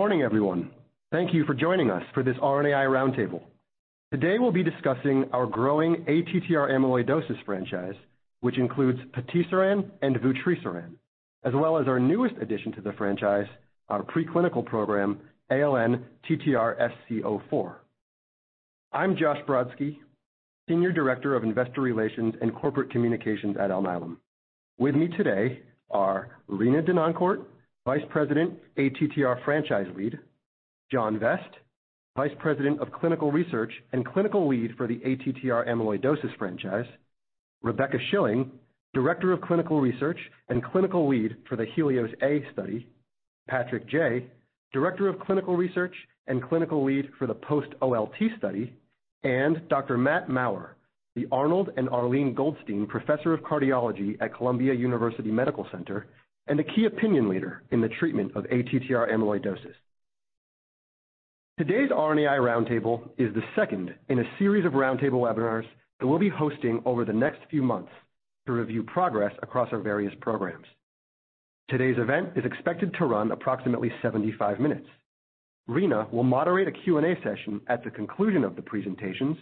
Good morning, everyone. Thank you for joining us for this RNAi roundtable. Today we'll be discussing our growing ATTR amyloidosis franchise, which includes patisiran and vutrisiran, as well as our newest addition to the franchise, our preclinical program, ALN-TTRsc04. I'm Josh Brodsky, Senior Director of Investor Relations and Corporate Communications at Alnylam. With me today are Rena Denoncourt, VP, ATTR Franchise Lead, John Vest, Vice President of Clinical Research and Clinical Lead for the ATTR amyloidosis franchise, Rebecca Shilling, Director of Clinical Research and Clinical Lead for the HELIOS-A study, Patrick Jay, Director of Clinical Research and Clinical Lead for the Post-OLT study, and Dr. Mathew Maurer, the Arnold and Arlene Goldstein Professor of Cardiology at Columbia University Medical Center and a key opinion leader in the treatment of ATTR amyloidosis. Today's RNAi roundtable is the second in a series of roundtable webinars that we'll be hosting over the next few months to review progress across our various programs. Today's event is expected to run approximately 75 minutes. Rena will moderate a Q&A session at the conclusion of the presentations,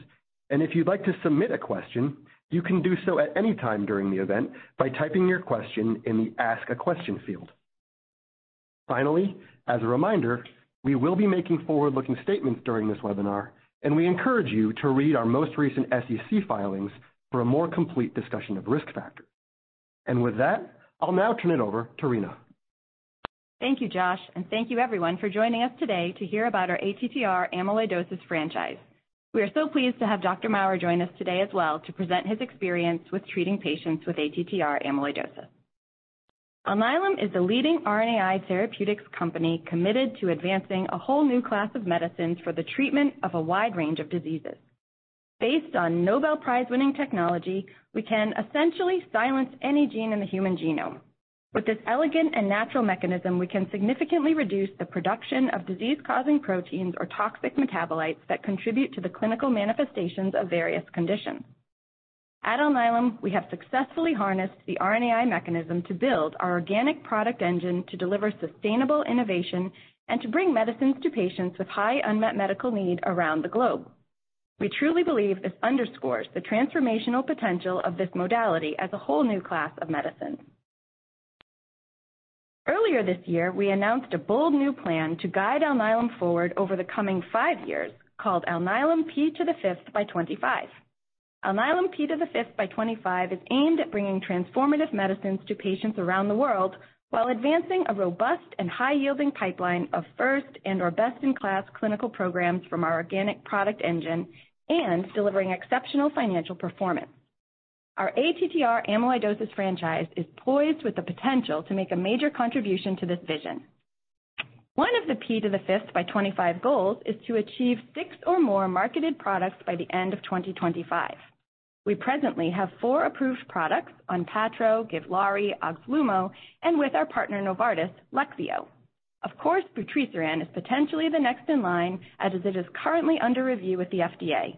and if you'd like to submit a question, you can do so at any time during the event by typing your question in the Ask a Question field. Finally, as a reminder, we will be making forward-looking statements during this webinar, and we encourage you to read our most recent SEC filings for a more complete discussion of risk factors. And with that, I'll now turn it over to Rena. Thank you, Josh, and thank you, everyone, for joining us today to hear about our ATTR amyloidosis franchise. We are so pleased to have Dr. Maurer join us today as well to present his experience with treating patients with ATTR amyloidosis. Alnylam is the leading RNAi therapeutics company committed to advancing a whole new class of medicines for the treatment of a wide range of diseases. Based on Nobel Prize-winning technology, we can essentially silence any gene in the human genome. With this elegant and natural mechanism, we can significantly reduce the production of disease-causing proteins or toxic metabolites that contribute to the clinical manifestations of various conditions. At Alnylam, we have successfully harnessed the RNAi mechanism to build our organic product engine to deliver sustainable innovation and to bring medicines to patients with high unmet medical need around the globe. We truly believe this underscores the transformational potential of this modality as a whole new class of medicines. Earlier this year, we announced a bold new plan to guide Alnylam forward over the coming five years called Alnylam P5x25. Alnylam P5x25 is aimed at bringing transformative medicines to patients around the world while advancing a robust and high-yielding pipeline of first and/or best-in-class clinical programs from our organic product engine and delivering exceptional financial performance. Our ATTR amyloidosis franchise is poised with the potential to make a major contribution to this vision. One of the P5x25 goals is to achieve six or more marketed products by the end of 2025. We presently have four approved products: ONPATTRO, GIVLAARI, OXLUMO, and with our partner Novartis, Leqvio. Of course, vutrisiran is potentially the next in line, as it is currently under review with the FDA.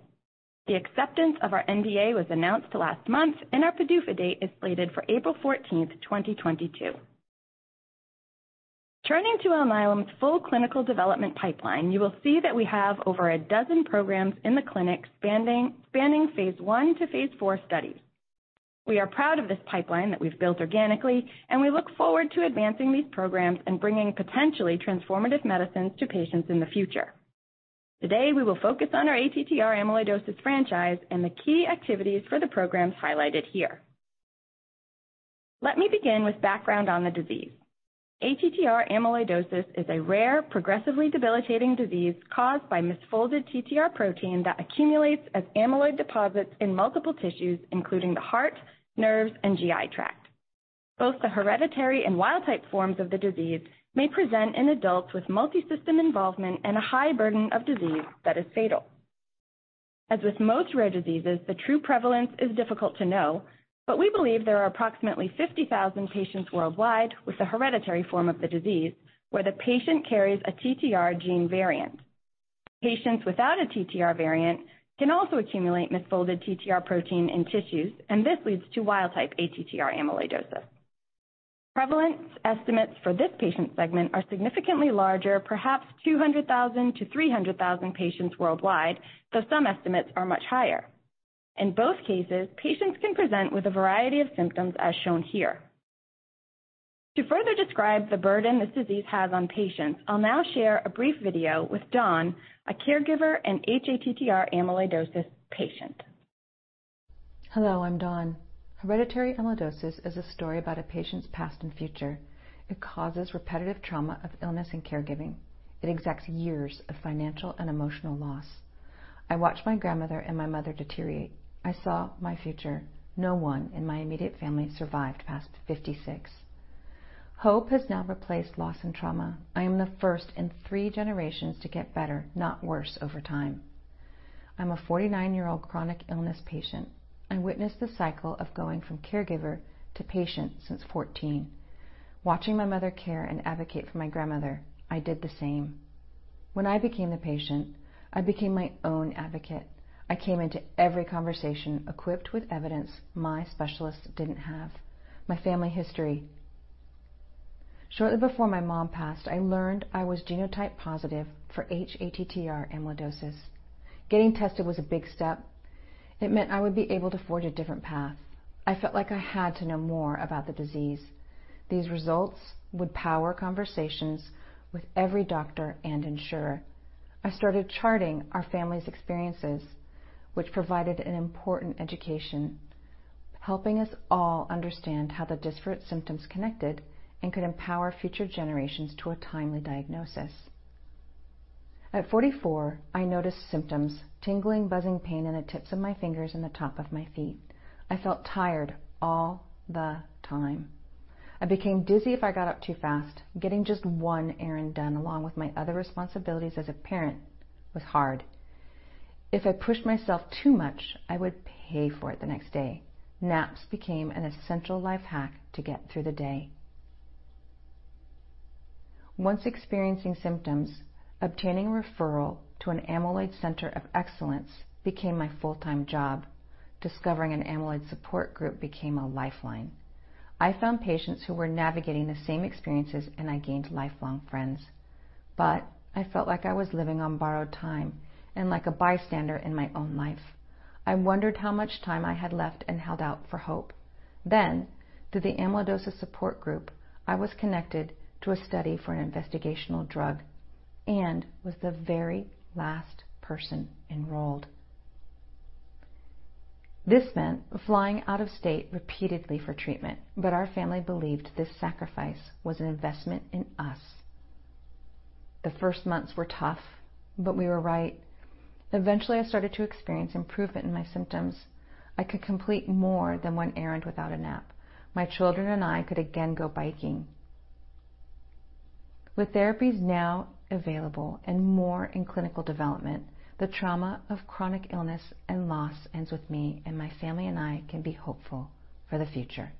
The acceptance of our NDA was announced last month, and our PDUFA date is slated for April 14th, 2022. Turning to Alnylam's full clinical development pipeline, you will see that we have over a dozen programs in the clinic spanning phase I to phase IV studies. We are proud of this pipeline that we've built organically, and we look forward to advancing these programs and bringing potentially transformative medicines to patients in the future. Today, we will focus on our ATTR amyloidosis franchise and the key activities for the programs highlighted here. Let me begin with background on the disease. ATTR amyloidosis is a rare, progressively debilitating disease caused by misfolded TTR protein that accumulates as amyloid deposits in multiple tissues, including the heart, nerves, and GI tract. Both the hereditary and wild-type forms of the disease may present in adults with multisystem involvement and a high burden of disease that is fatal. As with most rare diseases, the true prevalence is difficult to know, but we believe there are approximately 50,000 patients worldwide with the hereditary form of the disease where the patient carries a TTR gene variant. Patients without a TTR variant can also accumulate misfolded TTR protein in tissues, and this leads to wild-type ATTR amyloidosis. Prevalence estimates for this patient segment are significantly larger, perhaps 200,000-300,000 patients worldwide, though some estimates are much higher. In both cases, patients can present with a variety of symptoms as shown here. To further describe the burden this disease has on patients, I'll now share a brief video with Dawn, a caregiver and hATTR amyloidosis patient. Hello, I'm Dawn. Hereditary amyloidosis is a story about a patient's past and future. It causes repetitive trauma of illness and caregiving. It exacts years of financial and emotional loss. I watched my grandmother and my mother deteriorate. I saw my future. No one in my immediate family survived past 56. Hope has now replaced loss and trauma. I am the first in three generations to get better, not worse, over time. I'm a 49-year-old chronic illness patient. I witnessed the cycle of going from caregiver to patient since 14. Watching my mother care and advocate for my grandmother, I did the same. When I became the patient, I became my own advocate. I came into every conversation equipped with evidence my specialists didn't have: my family history. Shortly before my mom passed, I learned I was genotype positive for hATTR amyloidosis. Getting tested was a big step. It meant I would be able to forge a different path. I felt like I had to know more about the disease. These results would power conversations with every doctor and insurer. I started charting our family's experiences, which provided an important education, helping us all understand how the disparate symptoms connected and could empower future generations to a timely diagnosis. At 44, I noticed symptoms: tingling, buzzing pain in the tips of my fingers and the top of my feet. I felt tired all the time. I became dizzy if I got up too fast. Getting just one errand done, along with my other responsibilities as a parent, was hard. If I pushed myself too much, I would pay for it the next day. Naps became an essential life hack to get through the day. Once experiencing symptoms, obtaining a referral to an amyloid center of excellence became my full-time job. Discovering an amyloid support group became a lifeline. I found patients who were navigating the same experiences, and I gained lifelong friends. But I felt like I was living on borrowed time and like a bystander in my own life. I wondered how much time I had left and held out for hope. Then, through the amyloidosis support group, I was connected to a study for an investigational drug and was the very last person enrolled. This meant flying out of state repeatedly for treatment, but our family believed this sacrifice was an investment in us. The first months were tough, but we were right. Eventually, I started to experience improvement in my symptoms. I could complete more than one errand without a nap. My children and I could again go biking. With therapies now available and more in clinical development, the trauma of chronic illness and loss ends with me, and my family and I can be hopeful for the future.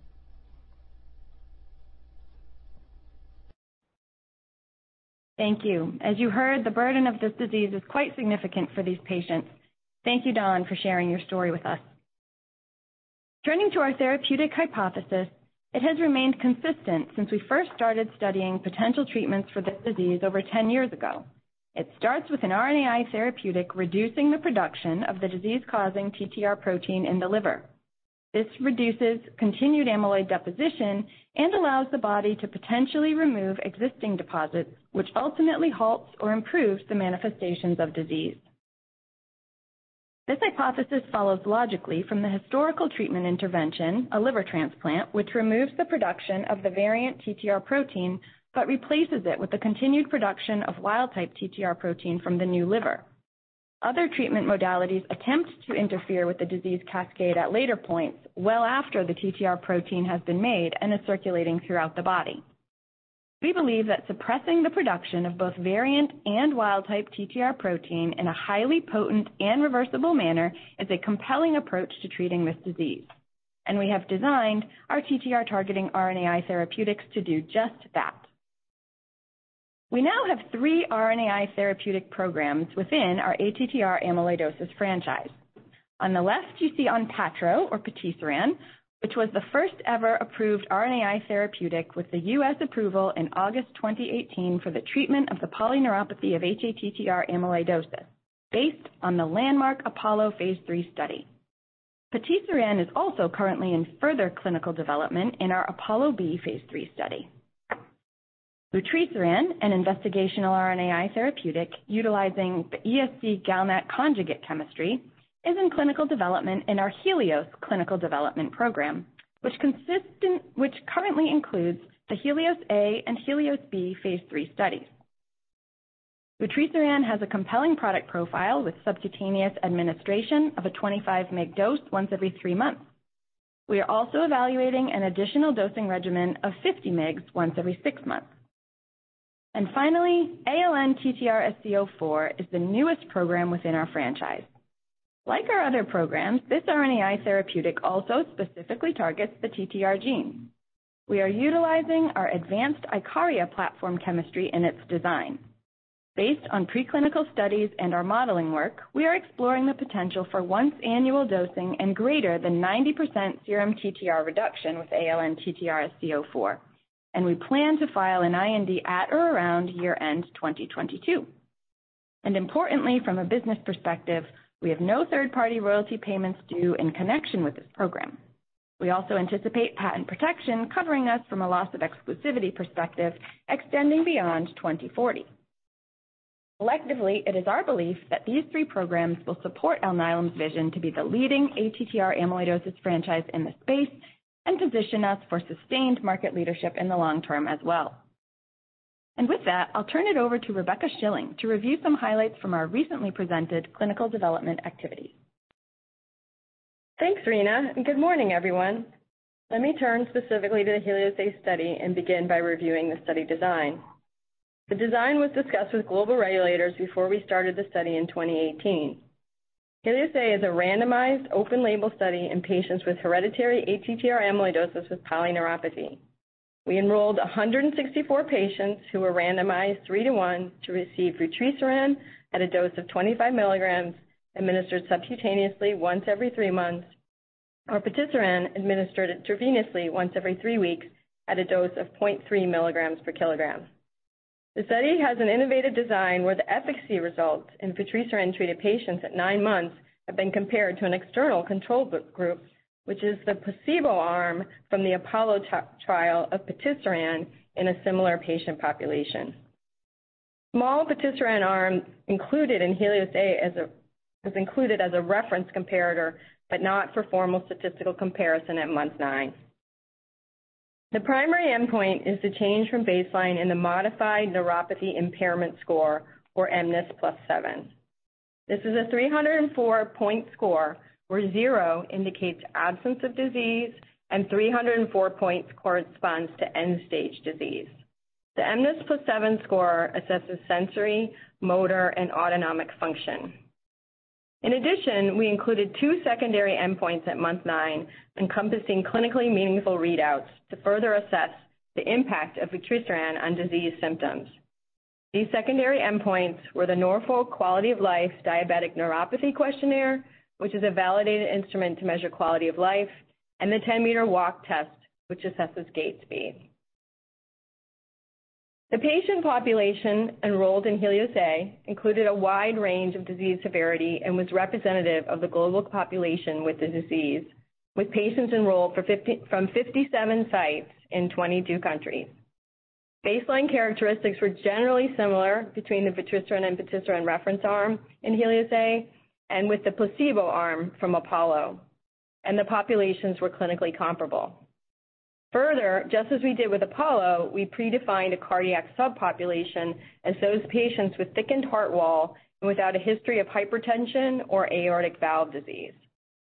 Thank you. As you heard, the burden of this disease is quite significant for these patients. Thank you, Dawn, for sharing your story with us. Turning to our therapeutic hypothesis, it has remained consistent since we first started studying potential treatments for this disease over 10 years ago. It starts with an RNAi therapeutic reducing the production of the disease-causing TTR protein in the liver. This reduces continued amyloid deposition and allows the body to potentially remove existing deposits, which ultimately halts or improves the manifestations of disease. This hypothesis follows logically from the historical treatment intervention, a liver transplant, which removes the production of the variant TTR protein but replaces it with the continued production of wild-type TTR protein from the new liver. Other treatment modalities attempt to interfere with the disease cascade at later points well after the TTR protein has been made and is circulating throughout the body. We believe that suppressing the production of both variant and wild-type TTR protein in a highly potent and reversible manner is a compelling approach to treating this disease, and we have designed our TTR-targeting RNAi therapeutics to do just that. We now have three RNAi therapeutic programs within our ATTR amyloidosis franchise. On the left, you see ONPATTRO, or patisiran, which was the first-ever approved RNAi therapeutic with the U.S. approval in August 2018 for the treatment of the polyneuropathy of hATTR amyloidosis, based on the landmark APOLLO phase III study. Patisiran is also currently in further clinical development in our APOLLO-B phase III study. Vutrisiran, an investigational RNAi therapeutic utilizing the ESC-GalNAc-Conjugate chemistry, is in clinical development in our HELIOS clinical development program, which currently includes the HELIOS-A and HELIOS-B phase III studies. Vutrisiran has a compelling product profile with subcutaneous administration of a 25 mg dose once every three months. We are also evaluating an additional dosing regimen of 50 mg once every six months, and finally, ALN-TTRsc04 is the newest program within our franchise. Like our other programs, this RNAi therapeutic also specifically targets the TTR gene. We are utilizing our advanced IKARIA platform chemistry in its design. Based on preclinical studies and our modeling work, we are exploring the potential for once-annual dosing and greater than 90% serum TTR reduction with ALN-TTRsc04, and we plan to file an IND at or around year-end 2022. Importantly, from a business perspective, we have no third-party royalty payments due in connection with this program. We also anticipate patent protection covering us from a loss-of-exclusivity perspective extending beyond 2040. Collectively, it is our belief that these three programs will support Alnylam's vision to be the leading ATTR amyloidosis franchise in the space and position us for sustained market leadership in the long term as well. With that, I'll turn it over to Rebecca Shilling to review some highlights from our recently presented clinical development activities. Thanks, Rena. Good morning, everyone. Let me turn specifically to the HELIOS-A study and begin by reviewing the study design. The design was discussed with global regulators before we started the study in 2018. HELIOS-A is a randomized, open-label study in patients with hereditary ATTR amyloidosis with polyneuropathy. We enrolled 164 patients who were randomized 3:1 to receive vutrisiran at a dose of 25 mg, administered subcutaneously once every three months, or patisiran administered intravenously once every three weeks at a dose of 0.3 mg per kilogram. The study has an innovative design where the efficacy results in vutrisiran-treated patients at nine months have been compared to an external control group, which is the placebo arm from the APOLLO trial of patisiran in a similar patient population. Small patisiran arm included in HELIOS-A was included as a reference comparator, but not for formal statistical comparison at month nine. The primary endpoint is the change from baseline in the modified neuropathy impairment score, or mNIS+7. This is a 304-point score, where zero indicates absence of disease, and 304 points corresponds to end-stage disease. The mNIS+7 score assesses sensory, motor, and autonomic function. In addition, we included two secondary endpoints at month nine, encompassing clinically meaningful readouts to further assess the impact of vutrisiran on disease symptoms. These secondary endpoints were the Norfolk Quality of Life Diabetic Neuropathy questionnaire, which is a validated instrument to measure quality of life, and the 10 m walk test, which assesses gait speed. The patient population enrolled in HELIOS-A included a wide range of disease severity and was representative of the global population with the disease, with patients enrolled from 57 sites in 22 countries. Baseline characteristics were generally similar between the vutrisiran and patisiran reference arm in HELIOS-A and with the placebo arm from APOLLO, and the populations were clinically comparable. Further, just as we did with APOLLO, we predefined a cardiac subpopulation as those patients with thickened heart wall and without a history of hypertension or aortic valve disease.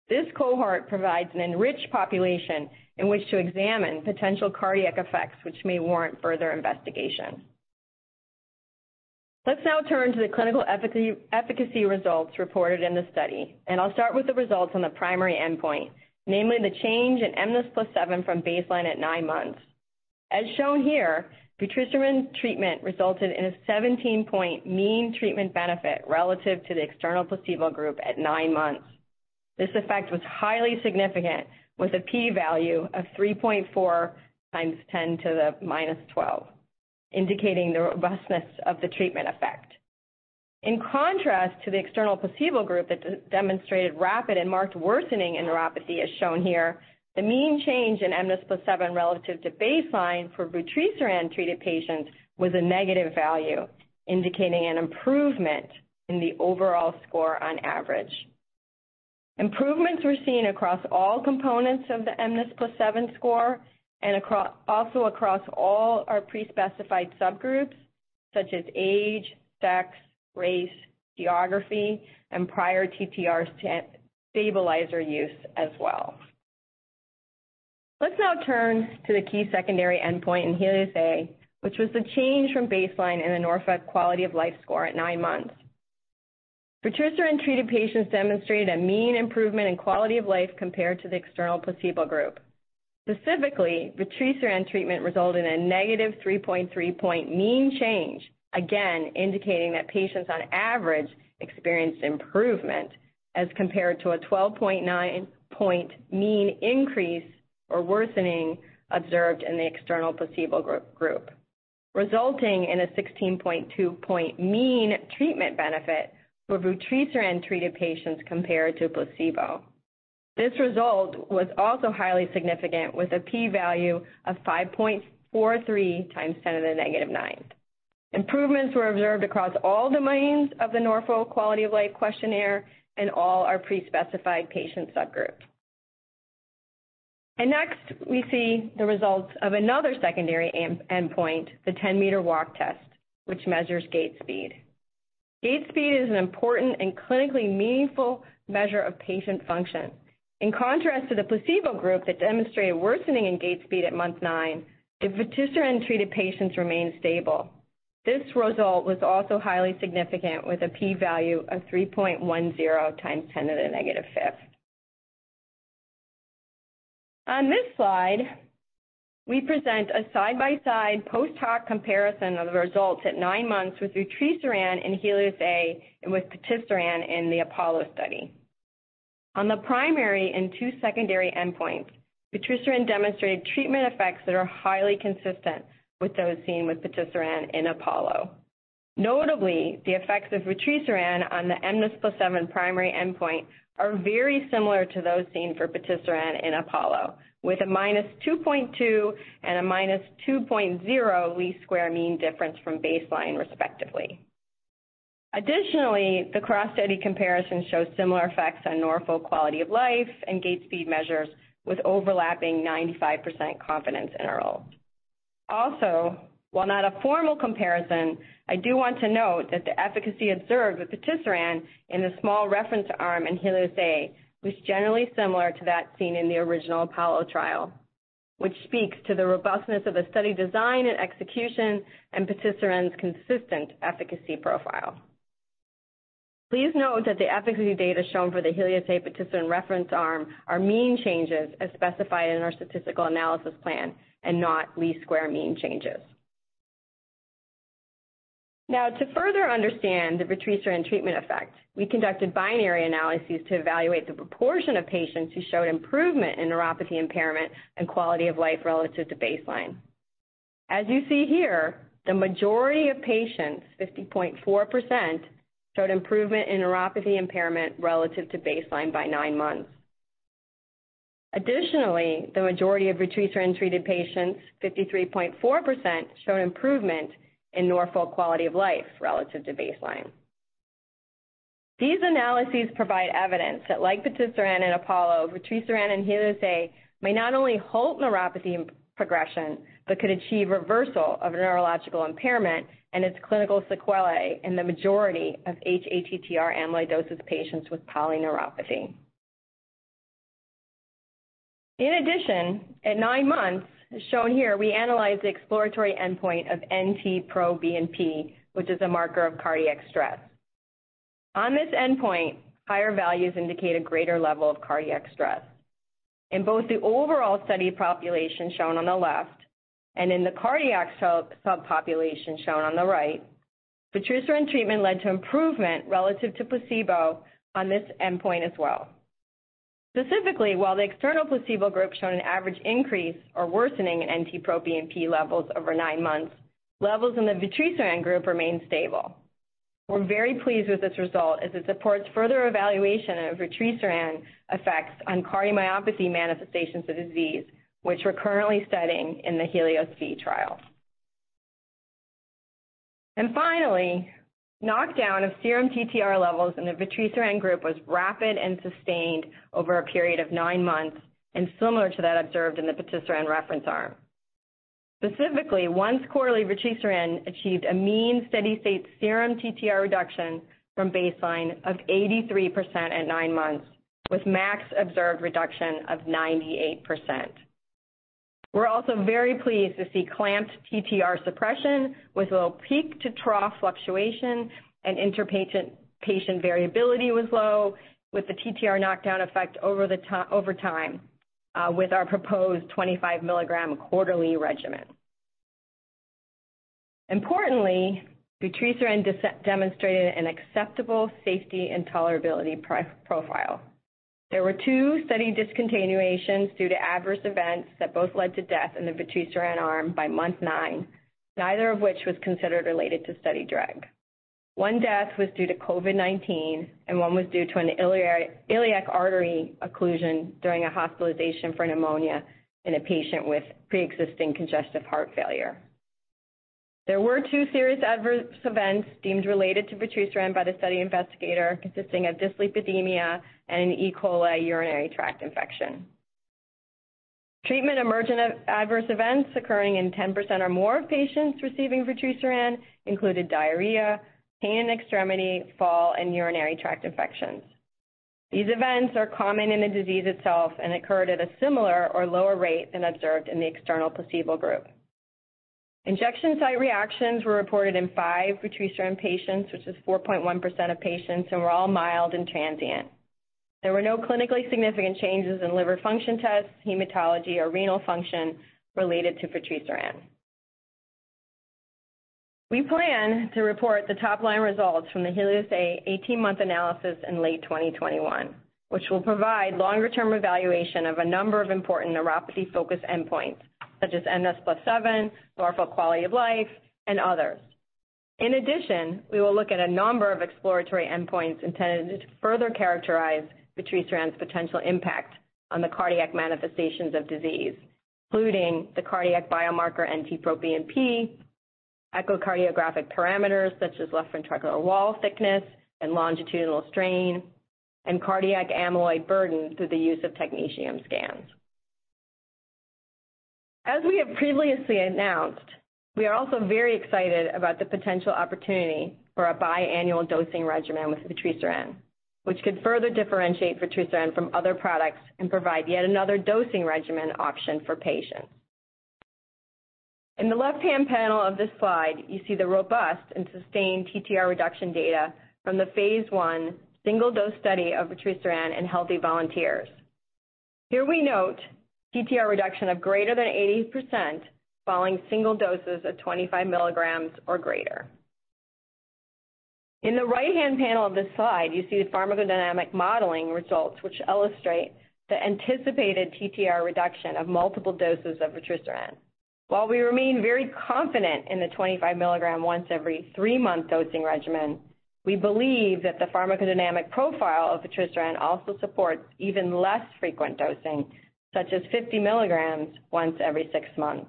This cohort provides an enriched population in which to examine potential cardiac effects, which may warrant further investigation. Let's now turn to the clinical efficacy results reported in the study, and I'll start with the results on the primary endpoint, namely the change in mNIS+7 from baseline at nine months. As shown here, vutrisiran treatment resulted in a 17-point mean treatment benefit relative to the external placebo group at nine months. This effect was highly significant, with a p-value of 3.4 x 10 to the -12, indicating the robustness of the treatment effect. In contrast to the external placebo group that demonstrated rapid and marked worsening in neuropathy, as shown here, the mean change in mNIS+7 relative to baseline for vutrisiran-treated patients was a negative value, indicating an improvement in the overall score on average. Improvements were seen across all components of the mNIS+7 score and also across all our pre-specified subgroups, such as age, sex, race, geography, and prior TTR stabilizer use as well. Let's now turn to the key secondary endpoint in HELIOS-A, which was the change from baseline in the Norfolk Quality of Life score at nine months. Vutrisiran-treated patients demonstrated a mean improvement in quality of life compared to the external placebo group. Specifically, vutrisiran treatment resulted in a -3.3 point mean change, again indicating that patients on average experienced improvement as compared to a 12.9-point mean increase or worsening observed in the external placebo group, resulting in a 16.2-point mean treatment benefit for vutrisiran-treated patients compared to placebo. This result was also highly significant, with a p-value of 5.43 x 10 ^-9. Improvements were observed across all domains of the Norfolk Quality of Life questionnaire and all our pre-specified patient subgroups. Next, we see the results of another secondary endpoint, the 10 m walk test, which measures gait speed. Gait speed is an important and clinically meaningful measure of patient function. In contrast to the placebo group that demonstrated worsening in gait speed at month nine, the vutrisiran-treated patients remained stable. This result was also highly significant, with a p-value of 3.10 times 10 to the negative fifth. On this slide, we present a side-by-side post-hoc comparison of the results at nine months with vutrisiran in HELIOS-A and with patisiran in the APOLLO study. On the primary and two secondary endpoints, vutrisiran demonstrated treatment effects that are highly consistent with those seen with patisiran in APOLLO. Notably, the effects of vutrisiran on the mNIS+7 primary endpoint are very similar to those seen for patisiran in APOLLO, with a -2.2 and a -2.0 least square mean difference from baseline, respectively. Additionally, the cross-study comparison shows similar effects on Norfolk Quality of Life and gait speed measures with overlapping 95% confidence intervals. Also, while not a formal comparison, I do want to note that the efficacy observed with patisiran in the small reference arm in HELIOS-A was generally similar to that seen in the original APOLLO trial, which speaks to the robustness of the study design and execution and patisaran's consistent efficacy profile. Please note that the efficacy data shown for the HELIOS-A patisiran's reference arm are mean changes as specified in our statistical analysis plan and not least square mean changes. Now, to further understand the vutrisiran treatment effect, we conducted binary analyses to evaluate the proportion of patients who showed improvement in neuropathy impairment and quality of life relative to baseline. As you see here, the majority of patients, 50.4%, showed improvement in neuropathy impairment relative to baseline by nine months. Additionally, the majority of vutrisiran-treated patients, 53.4%, showed improvement in Norfolk Quality of Life relative to baseline. These analyses provide evidence that, like patisiran in APOLLO, vutrisiran in HELIOS-A may not only halt neuropathy progression but could achieve reversal of neurological impairment and its clinical sequelae in the majority of hATTR amyloidosis patients with polyneuropathy. In addition, at nine months, as shown here, we analyzed the exploratory endpoint of NT-proBNP, which is a marker of cardiac stress. On this endpoint, higher values indicate a greater level of cardiac stress. In both the overall study population shown on the left and in the cardiac subpopulation shown on the right, vutrisiran treatment led to improvement relative to placebo on this endpoint as well. Specifically, while the external placebo group showed an average increase or worsening in NT-proBNP levels over nine months, levels in the vutrisiran group remained stable. We're very pleased with this result as it supports further evaluation of vutrisiran effects on cardiomyopathy manifestations of disease, which we're currently studying in the HELIOS-B trial. Finally, knockdown of serum TTR levels in the vutrisiran group was rapid and sustained over a period of nine months, and similar to that observed in the patisiran reference arm. Specifically, once-quarterly vutrisiran achieved a mean steady-state serum TTR reduction from baseline of 83% at nine months, with max observed reduction of 98%. We're also very pleased to see clamped TTR suppression, with low peak-to-trough fluctuation, and interpatient variability was low, with the TTR knockdown effect over time with our proposed 25 mg quarterly regimen. Importantly, vutrisiran demonstrated an acceptable safety and tolerability profile. There were two study discontinuations due to adverse events that both led to death in the vutrisiran arm by month nine, neither of which was considered related to study drug. One death was due to COVID-19, and one was due to an iliac artery occlusion during a hospitalization for pneumonia in a patient with pre-existing congestive heart failure. There were two serious adverse events deemed related to vutrisiran by the study investigator, consisting of dyslipidemia and an E. coli urinary tract infection. Treatment emergent adverse events occurring in 10% or more of patients receiving vutrisiran included diarrhea, pain in extremity, fall, and urinary tract infections. These events are common in the disease itself and occurred at a similar or lower rate than observed in the external placebo group. Injection site reactions were reported in five vutrisiran patients, which is 4.1% of patients, and were all mild and transient. There were no clinically significant changes in liver function tests, hematology, or renal function related to vutrisiran. We plan to report the top-line results from the HELIOS-A 18-month analysis in late 2021, which will provide longer-term evaluation of a number of important neuropathy-focused endpoints, such as mNIS+7, Norfolk Quality of Life, and others. In addition, we will look at a number of exploratory endpoints intended to further characterize vutrisiran's potential impact on the cardiac manifestations of disease, including the cardiac biomarker NT-proBNP, echocardiographic parameters such as left ventricular wall thickness and longitudinal strain, and cardiac amyloid burden through the use of technetium scans. As we have previously announced, we are also very excited about the potential opportunity for a biannual dosing regimen with vutrisiran, which could further differentiate vutrisiran from other products and provide yet another dosing regimen option for patients. In the left-hand panel of this slide, you see the robust and sustained TTR reduction data from the phase 1 single-dose study of vutrisiran in healthy volunteers. Here we note TTR reduction of greater than 80% following single doses of 25 mg or greater. In the right-hand panel of this slide, you see the pharmacodynamic modeling results, which illustrate the anticipated TTR reduction of multiple doses of vutrisiran. While we remain very confident in the 25 mg once-every-three-month dosing regimen, we believe that the pharmacodynamic profile of vutrisiran also supports even less frequent dosing, such as 50 mg once every six months.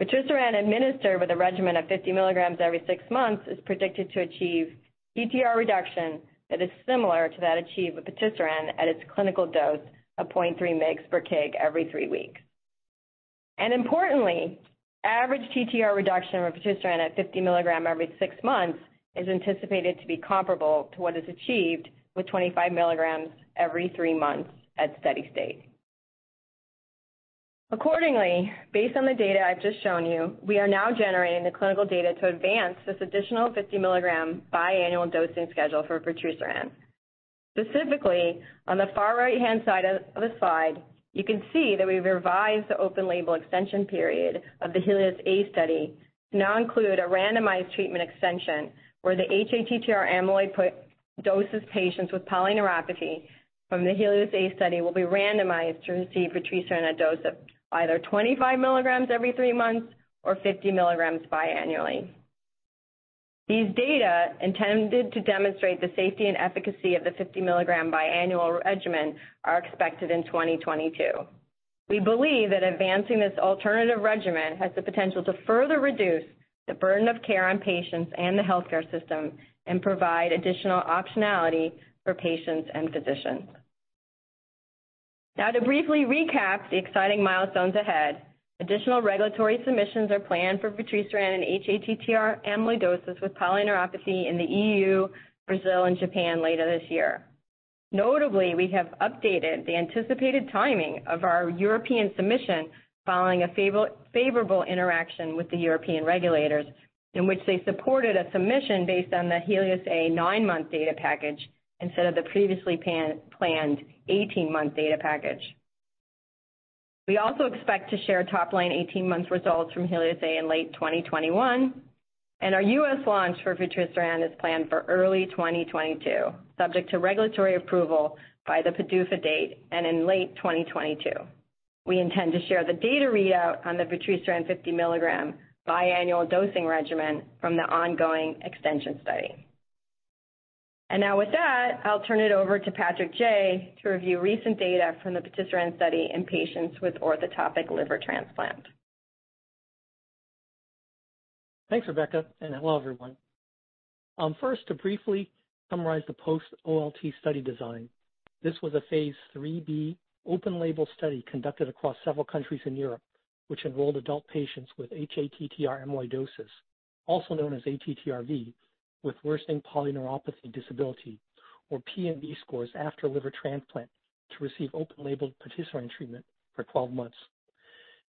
Vutrisiran administered with a regimen of 50 mg every six months is predicted to achieve TTR reduction that is similar to that achieved with patisiran at its clinical dose of 0.3 mg per kg every three weeks. Importantly, average TTR reduction with vutrisiran at 50 mg every six months is anticipated to be comparable to what is achieved with 25 mg every three months at steady-state. Accordingly, based on the data I've just shown you, we are now generating the clinical data to advance this additional 50 mg biannual dosing schedule for vutrisiran. Specifically, on the far right-hand side of the slide, you can see that we've revised the open-label extension period of the HELIOS-A study to now include a randomized treatment extension, where the hATTR amyloidosis patients with polyneuropathy from the HELIOS-A study will be randomized to receive vutrisiran at a dose of either 25 mg every three months or 50 mg biannually. These data, intended to demonstrate the safety and efficacy of the 50-mg biannual regimen, are expected in 2022. We believe that advancing this alternative regimen has the potential to further reduce the burden of care on patients and the healthcare system and provide additional optionality for patients and physicians. Now, to briefly recap the exciting milestones ahead, additional regulatory submissions are planned for vutrisiran in hATTR amyloidosis with polyneuropathy in the EU, Brazil, and Japan later this year. Notably, we have updated the anticipated timing of our European submission following a favorable interaction with the European regulators, in which they supported a submission based on the HELIOS-A nine-month data package instead of the previously planned 18-month data package. We also expect to share top-line 18 months results from HELIOS-A in late 2021, and our U.S. launch for vutrisiran is planned for early 2022, subject to regulatory approval by the PDUFA date and in late 2022. We intend to share the data readout on the vutrisiran 50 mg biannual dosing regimen from the ongoing extension study, and now, with that, I'll turn it over to Patrick Jay to review recent data from the patisiran study in patients with orthotopic liver transplant. Thanks, Rebecca, and hello, everyone. First, to briefly summarize the post-OLT study design, this was a phase III-B open-label study conducted across several countries in Europe, which enrolled adult patients with hATTR amyloidosis, also known as hATTRv, with worsening polyneuropathy disability, or PND scores after liver transplant, to receive open-label patisiran treatment for 12 months.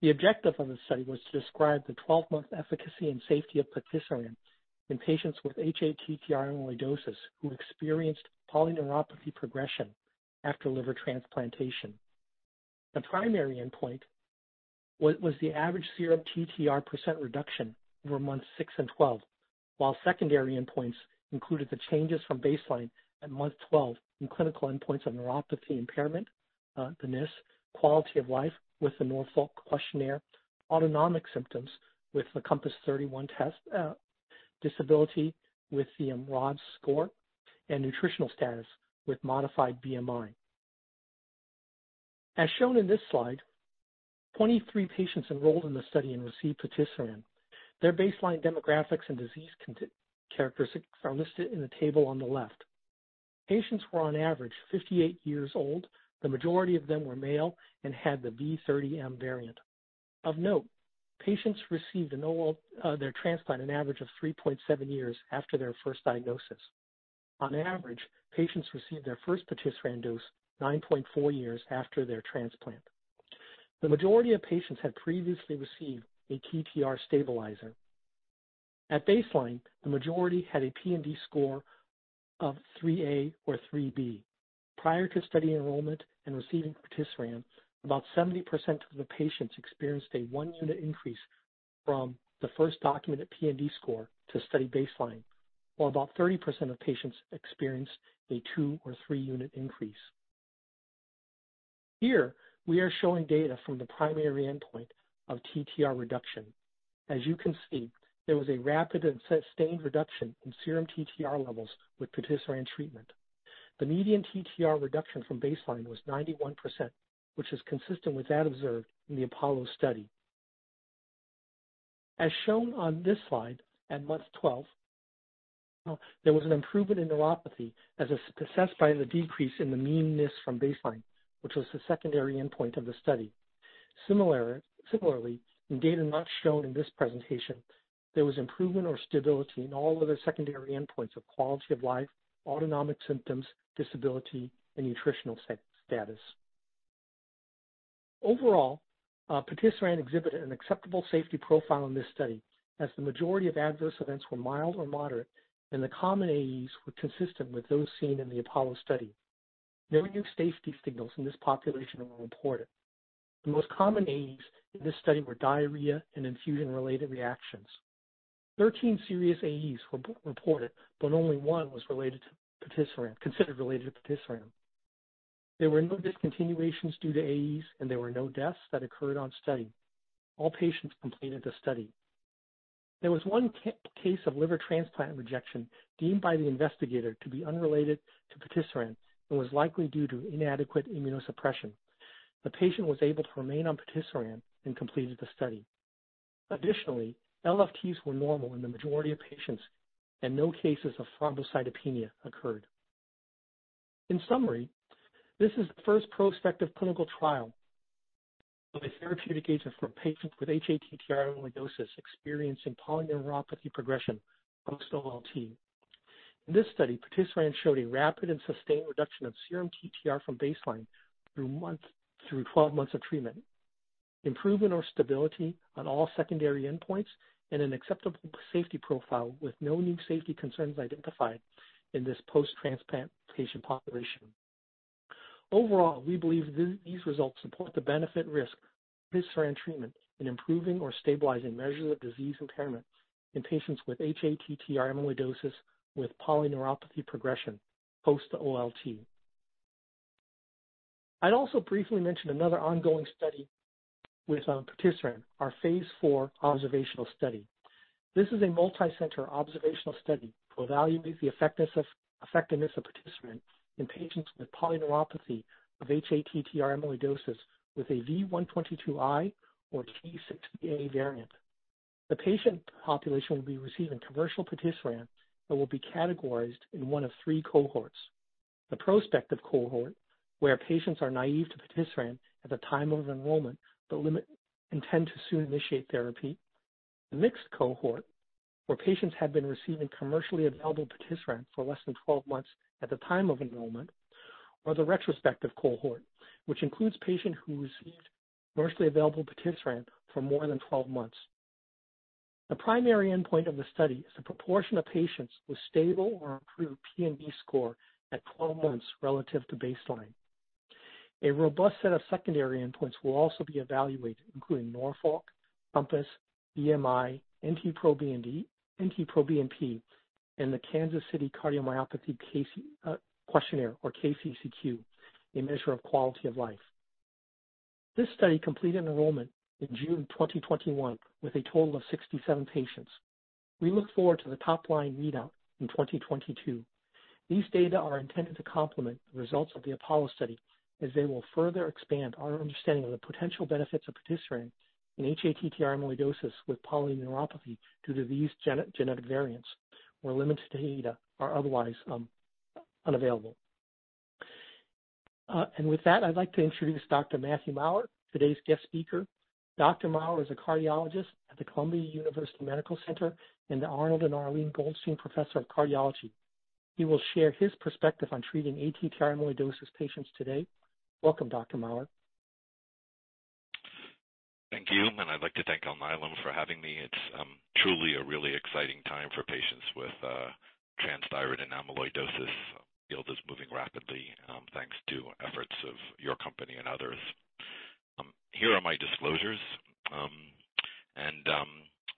The objective of the study was to describe the 12-month efficacy and safety of patisiran in patients with hATTR amyloidosis who experienced polyneuropathy progression after liver transplantation. The primary endpoint was the average serum TTR % reduction over months six and 12, while secondary endpoints included the changes from baseline at month 12 in clinical endpoints of neuropathy impairment, the mNIS+7, quality of life with the Norfolk questionnaire, autonomic symptoms with the COMPASS-31 test, disability with the RODS score, and nutritional status with modified BMI. As shown in this slide, 23 patients enrolled in the study and received patisiran. Their baseline demographics and disease characteristics are listed in the table on the left. Patients were, on average, 58 years old. The majority of them were male and had the V30M variant. Of note, patients received their transplant an average of 3.7 years after their first diagnosis. On average, patients received their first patisiran dose 9.4 years after their transplant. The majority of patients had previously received a TTR stabilizer. At baseline, the majority had a PND score of 3A or 3B. Prior to study enrollment and receiving patisiran, about 70% of the patients experienced a one-unit increase from the first documented PND score to study baseline, while about 30% of patients experienced a two- or three-unit increase. Here, we are showing data from the primary endpoint of TTR reduction. As you can see, there was a rapid and sustained reduction in serum TTR levels with patisiran treatment. The median TTR reduction from baseline was 91%, which is consistent with that observed in the APOLLO study. As shown on this slide, at month 12, there was an improvement in neuropathy as assessed by the decrease in the mean mNIS+7 from baseline, which was the secondary endpoint of the study. Similarly, in data not shown in this presentation, there was improvement or stability in all other secondary endpoints of quality of life, autonomic symptoms, disability, and nutritional status. Overall, patisiran exhibited an acceptable safety profile in this study, as the majority of adverse events were mild or moderate, and the common AEs were consistent with those seen in the APOLLO study. No new safety signals in this population were reported. The most common AEs in this study were diarrhea and infusion-related reactions. 13 serious AEs were reported, but only one was considered related to patisiran. There were no discontinuations due to AEs, and there were no deaths that occurred on study. All patients completed the study. There was one case of liver transplant rejection deemed by the investigator to be unrelated to patisiran and was likely due to inadequate immunosuppression. The patient was able to remain on patisiran and completed the study. Additionally, LFTs were normal in the majority of patients, and no cases of thrombocytopenia occurred. In summary, this is the first prospective clinical trial of a therapeutic agent for patients with hATTR amyloidosis experiencing polyneuropathy progression post-OLT. In this study, patisiran showed a rapid and sustained reduction of serum TTR from baseline through 12 months of treatment, improvement or stability on all secondary endpoints, and an acceptable safety profile with no new safety concerns identified in this post-transplant patient population. Overall, we believe these results support the benefit-risk patisiran treatment in improving or stabilizing measures of disease impairment in patients with hATTR amyloidosis with polyneuropathy progression post-OLT. I'd also briefly mention another ongoing study with patisiran, our phase IV observational study. This is a multicenter observational study to evaluate the effectiveness of patisiran in patients with polyneuropathy of hATTR amyloidosis with a V122I or T60A variant. The patient population will be receiving commercial patisiran that will be categorized in one of three cohorts: the prospective cohort, where patients are naive to patisiran at the time of enrollment but intend to soon initiate therapy; the mixed cohort, where patients had been receiving commercially available patisiran for less than 12 months at the time of enrollment; or the retrospective cohort, which includes patients who received commercially available patisiran for more than 12 months. The primary endpoint of the study is the proportion of patients with stable or improved PND score at 12 months relative to baseline. A robust set of secondary endpoints will also be evaluated, including Norfolk, COMPASS, BMI, NT-proBNP, and the Kansas City Cardiomyopathy Questionnaire or KCCQ, a measure of quality of life. This study completed enrollment in June 2021 with a total of 67 patients. We look forward to the top-line readout in 2022. These data are intended to complement the results of the APOLLO study, as they will further expand our understanding of the potential benefits of patisiran in hATTR amyloidosis with polyneuropathy due to these genetic variants, where limited data are otherwise unavailable. And with that, I'd like to introduce Dr. Mathew Maurer, today's guest speaker. Dr. Maurer is a cardiologist at the Columbia University Medical Center and the Arnold and Arlene Goldstein Professor of Cardiology. He will share his perspective on treating ATTR amyloidosis patients today. Welcome, Dr. Maurer. Thank you, and I'd like to thank Alnylam for having me. It's truly a really exciting time for patients with transthyretin amyloidosis, the field is moving rapidly, thanks to efforts of your company and others. Here are my disclosures, and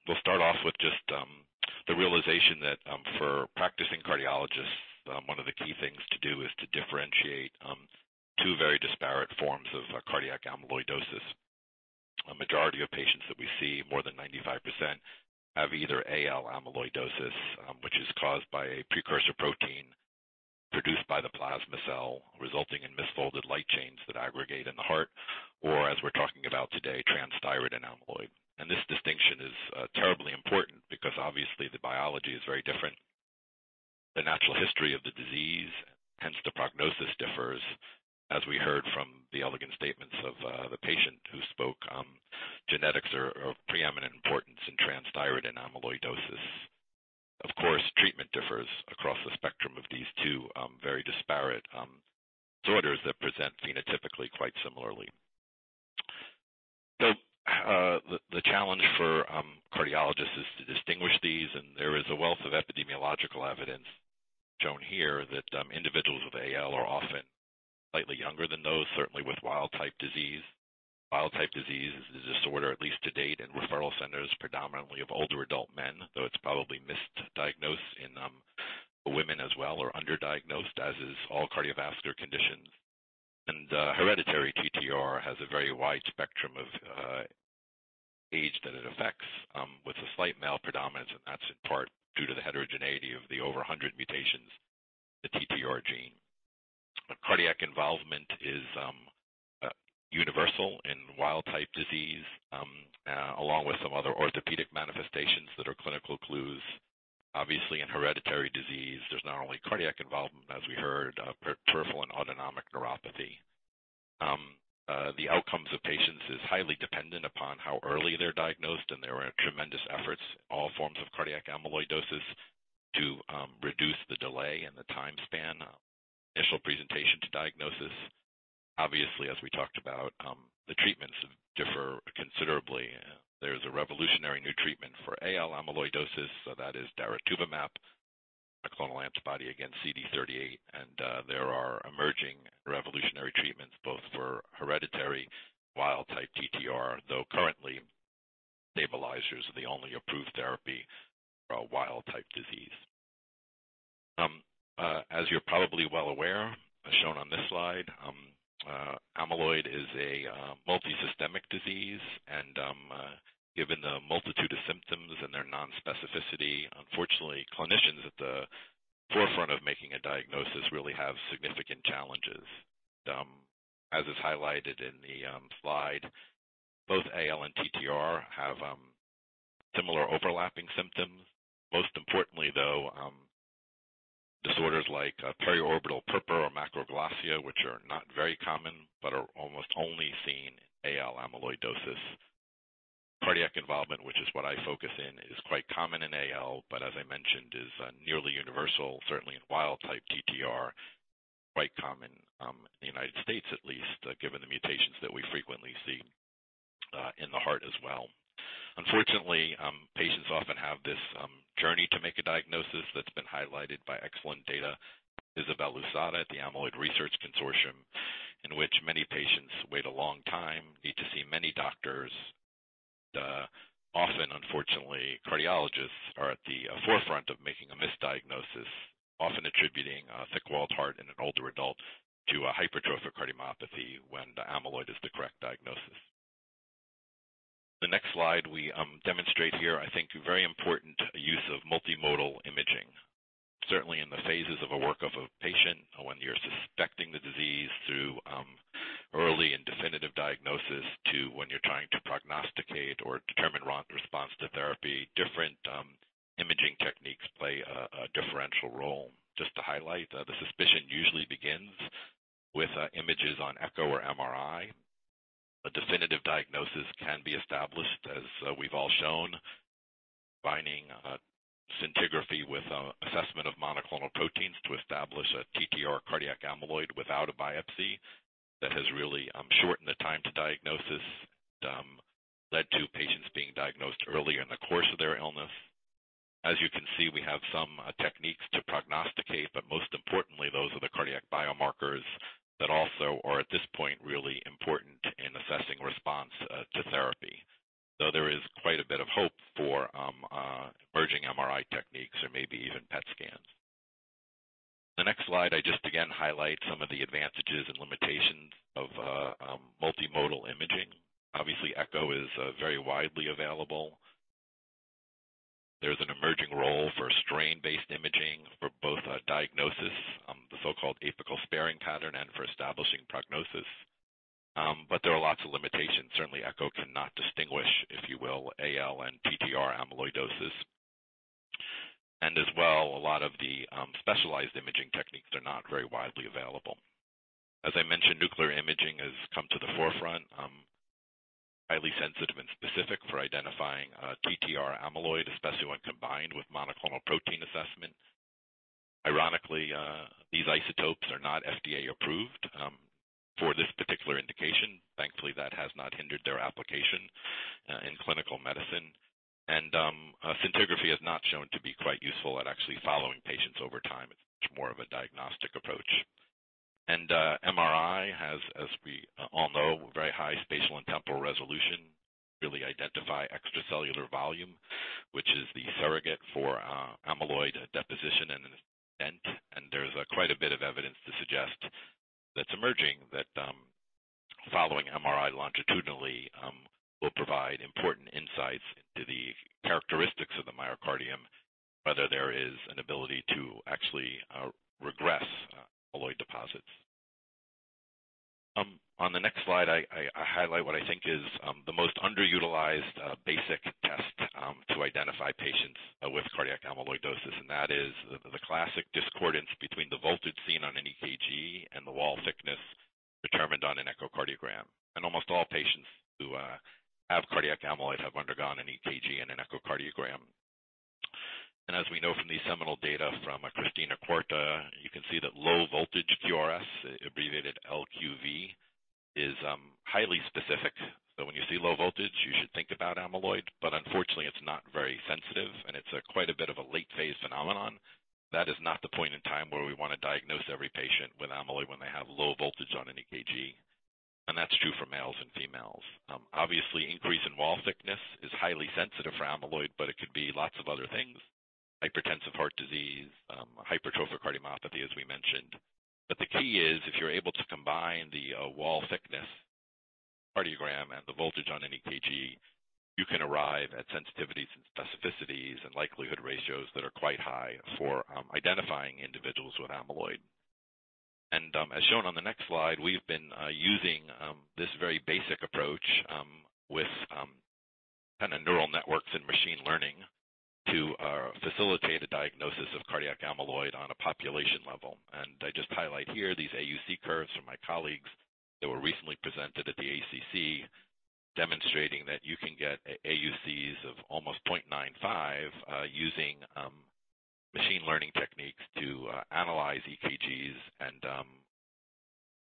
we'll start off with just the realization that for practicing cardiologists, one of the key things to do is to differentiate two very disparate forms of cardiac amyloidosis. A majority of patients that we see, more than 95%, have either AL amyloidosis, which is caused by a precursor protein produced by the plasma cell, resulting in misfolded light chains that aggregate in the heart, or, as we're talking about today, transthyretin amyloidosis, and this distinction is terribly important because, obviously, the biology is very different. The natural history of the disease, hence the prognosis, differs, as we heard from the elegant statements of the patient who spoke. Genetics are of preeminent importance in transthyretin and amyloidosis. Of course, treatment differs across the spectrum of these two very disparate disorders that present phenotypically quite similarly. So the challenge for cardiologists is to distinguish these, and there is a wealth of epidemiological evidence shown here that individuals with AL are often slightly younger than those, certainly with wild-type disease. Wild-type disease is the disorder, at least to date, in referral centers predominantly of older adult men, though it's probably misdiagnosed in women as well or underdiagnosed, as is all cardiovascular conditions, and hereditary TTR has a very wide spectrum of age that it affects, with a slight male predominance, and that's in part due to the heterogeneity of the over 100 mutations in the TTR gene. Cardiac involvement is universal in wild-type disease, along with some other orthopedic manifestations that are clinical clues. Obviously, in hereditary disease, there's not only cardiac involvement, as we heard, but peripheral and autonomic neuropathy. The outcomes of patients are highly dependent upon how early they're diagnosed, and there are tremendous efforts in all forms of cardiac amyloidosis to reduce the delay in the time span from initial presentation to diagnosis. Obviously, as we talked about, the treatments differ considerably. There is a revolutionary new treatment for AL amyloidosis, so that is daratumumab, a monoclonal antibody against CD38, and there are emerging revolutionary treatments both for hereditary wild-type TTR, though currently, stabilizers are the only approved therapy for wild-type disease. As you're probably well aware, as shown on this slide, amyloid is a multisystemic disease, and given the multitude of symptoms and their nonspecificity, unfortunately, clinicians at the forefront of making a diagnosis really have significant challenges. As is highlighted in the slide, both AL and TTR have similar overlapping symptoms. Most importantly, though, disorders like periorbital purpura or macroglossia, which are not very common but are almost only seen in AL amyloidosis. Cardiac involvement, which is what I focus on, is quite common in AL, but, as I mentioned, is nearly universal, certainly in wild-type TTR, quite common, in the United States at least, given the mutations that we frequently see in the heart as well. Unfortunately, patients often have this journey to make a diagnosis that's been highlighted by excellent data by Isabelle Lousada at the Amyloid Research Consortium, in which many patients wait a long time, need to see many doctors, and often, unfortunately, cardiologists are at the forefront of making a misdiagnosis, often attributing a thick-walled heart in an older adult to a hypertrophic cardiomyopathy when amyloid is the correct diagnosis. The next slide we demonstrate here, I think, is a very important use of multimodal imaging. Certainly, in the phases of a workup of a patient, when you're suspecting the disease through early and definitive diagnosis to when you're trying to prognosticate or determine response to therapy, different imaging techniques play a differential role. Just to highlight, the suspicion usually begins with images on echo or MRI. A definitive diagnosis can be established, as we've all shown, combining scintigraphy with assessment of monoclonal proteins to establish a TTR cardiac amyloid without a biopsy that has really shortened the time to diagnosis and led to patients being diagnosed earlier in the course of their illness. As you can see, we have some techniques to prognosticate, but most importantly, those are the cardiac biomarkers that also are, at this point, really important in assessing response to therapy. So there is quite a bit of hope for emerging MRI techniques or maybe even PET scans. The next slide, I just again highlight some of the advantages and limitations of multimodal imaging. Obviously, echo is very widely available. There's an emerging role for strain-based imaging for both diagnosis, the so-called apical sparing pattern, and for establishing prognosis. But there are lots of limitations. Certainly, echo cannot distinguish, if you will, AL and TTR amyloidosis. And as well, a lot of the specialized imaging techniques are not very widely available. As I mentioned, nuclear imaging has come to the forefront, highly sensitive and specific for identifying TTR amyloid, especially when combined with monoclonal protein assessment. Ironically, these isotopes are not FDA-approved for this particular indication. Thankfully, that has not hindered their application in clinical medicine and scintigraphy has not shown to be quite useful at actually following patients over time, It's much more of a diagnostic approach. MRI has, as we all know, very high spatial and temporal resolution, really identifies extracellular volume, which is the surrogate for amyloid deposition and extent. There's quite a bit of evidence to suggest that's emerging that following MRI longitudinally will provide important insights into the characteristics of the myocardium, whether there is an ability to actually regress amyloid deposits. On the next slide, I highlight what I think is the most underutilized basic test to identify patients with cardiac amyloidosis, and that is the classic discordance between the voltage seen on an EKG and the wall thickness determined on an echocardiogram. Almost all patients who have cardiac amyloid have undergone an EKG and an echocardiogram. As we know from these seminal data from Cristina Quarta, you can see that low-voltage QRS, abbreviated LQV, is highly specific. When you see low voltage, you should think about amyloid, but unfortunately, it's not very sensitive, and it's quite a bit of a late-phase phenomenon. That is not the point in time where we want to diagnose every patient with amyloid when they have low voltage on an EKG, and that's true for males and females. Obviously, increase in wall thickness is highly sensitive for amyloid, but it could be lots of other things: hypertensive heart disease, hypertrophic cardiomyopathy, as we mentioned. But the key is, if you're able to combine the wall thickness echocardiogram and the voltage on an EKG, you can arrive at sensitivities and specificities and likelihood ratios that are quite high for identifying individuals with amyloid. As shown on the next slide, we've been using this very basic approach with kind of neural networks and machine learning to facilitate a diagnosis of cardiac amyloid on a population level. I just highlight here these AUC curves from my colleagues that were recently presented at the ACC, demonstrating that you can get AUCs of almost 0.95 using machine learning techniques to analyze EKGs and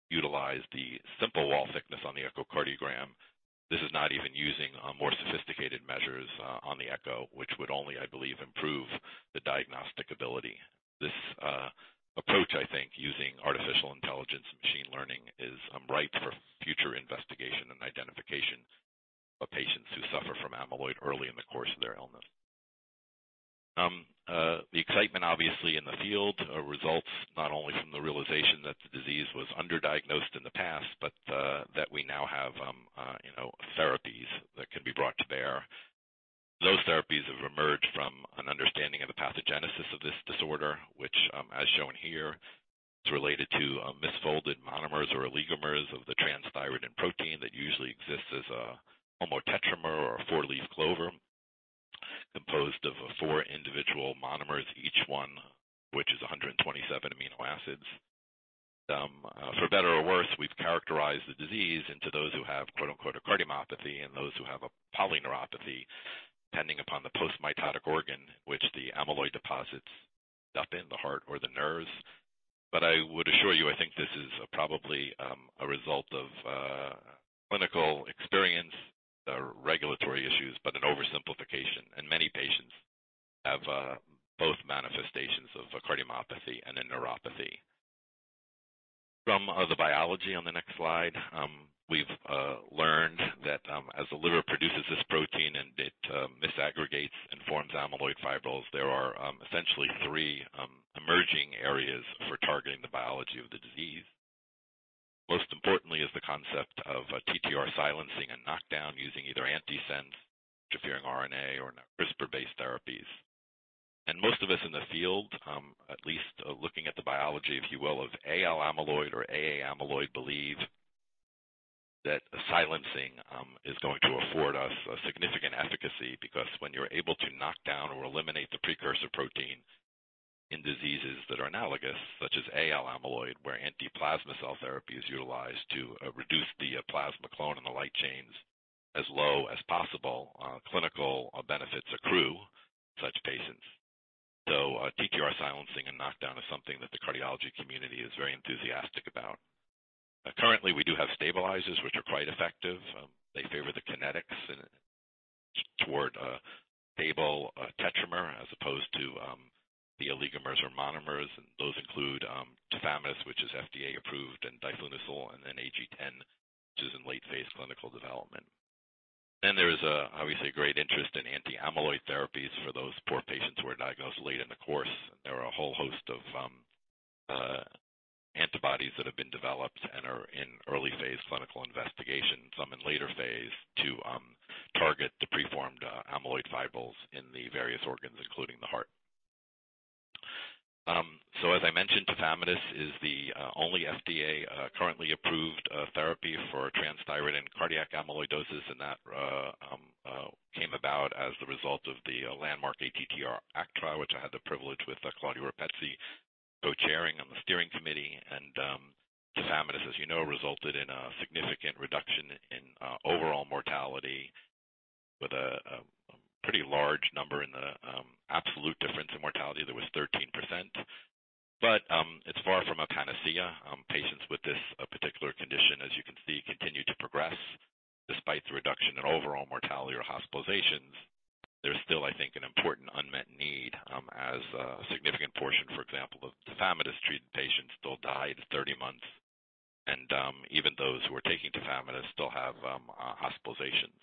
utilize the simple wall thickness on the echocardiogram. This is not even using more sophisticated measures on the echo, which would only, I believe, improve the diagnostic ability. This approach, I think, using artificial intelligence and machine learning is ripe for future investigation and identification of patients who suffer from amyloid early in the course of their illness. The excitement, obviously, in the field results not only from the realization that the disease was underdiagnosed in the past, but that we now have therapies that can be brought to bear. Those therapies have emerged from an understanding of the pathogenesis of this disorder, which, as shown here, is related to misfolded monomers or oligomers of the transthyretin protein that usually exists as a homotetramer or a four-leaf clover, composed of four individual monomers, each one of which is 127 amino acids. For better or worse, we've characterized the disease into those who have "a cardiomyopathy" and those who have a polyneuropathy, depending upon the postmitotic organ, which the amyloid deposits in the heart or the nerves. But I would assure you, I think this is probably a result of clinical experience, regulatory issues, but an oversimplification. Many patients have both manifestations of a cardiomyopathy and a neuropathy. From the biology on the next slide, we've learned that as the liver produces this protein and it misaggregates and forms amyloid fibrils, there are essentially three emerging areas for targeting the biology of the disease. Most importantly, is the concept of TTR silencing and knockdown using either antisense, interfering RNA, or CRISPR-based therapies. And most of us in the field, at least looking at the biology, if you will, of AL amyloid or AA amyloid, believe that silencing is going to afford us significant efficacy because when you're able to knock down or eliminate the precursor protein in diseases that are analogous, such as AL amyloid, where anti-plasma cell therapy is utilized to reduce the plasma clone and the light chains as low as possible, clinical benefits accrue in such patients. So TTR silencing and knockdown is something that the cardiology community is very enthusiastic about. Currently, we do have stabilizers, which are quite effective. They favor the kinetics toward a stable tetramer as opposed to the oligomers or monomers, and those include tafamidis, which is FDA-approved, and diflunisal, and then AG10, which is in late-phase clinical development. Then there is, obviously, a great interest in anti-amyloid therapies for those poor patients who are diagnosed late in the course. There are a whole host of antibodies that have been developed and are in early-phase clinical investigation, some in later phase, to target the preformed amyloid fibrils in the various organs, including the heart. As I mentioned, tafamidis is the only FDA-approved therapy for transthyretin and cardiac amyloidosis, and that came about as the result of the landmark ATTR-ACT, which I had the privilege with Claudia Rapezzi co-chairing on the steering committee. Tafamidis, as you know, resulted in a significant reduction in overall mortality, with a pretty large number in the absolute difference in mortality that was 13%. It's far from a panacea. Patients with this particular condition, as you can see, continue to progress despite the reduction in overall mortality or hospitalizations. There's still, I think, an important unmet need, as a significant portion, for example, of tafamidis-treated patients still die at 30 months, and even those who are taking tafamidis still have hospitalizations.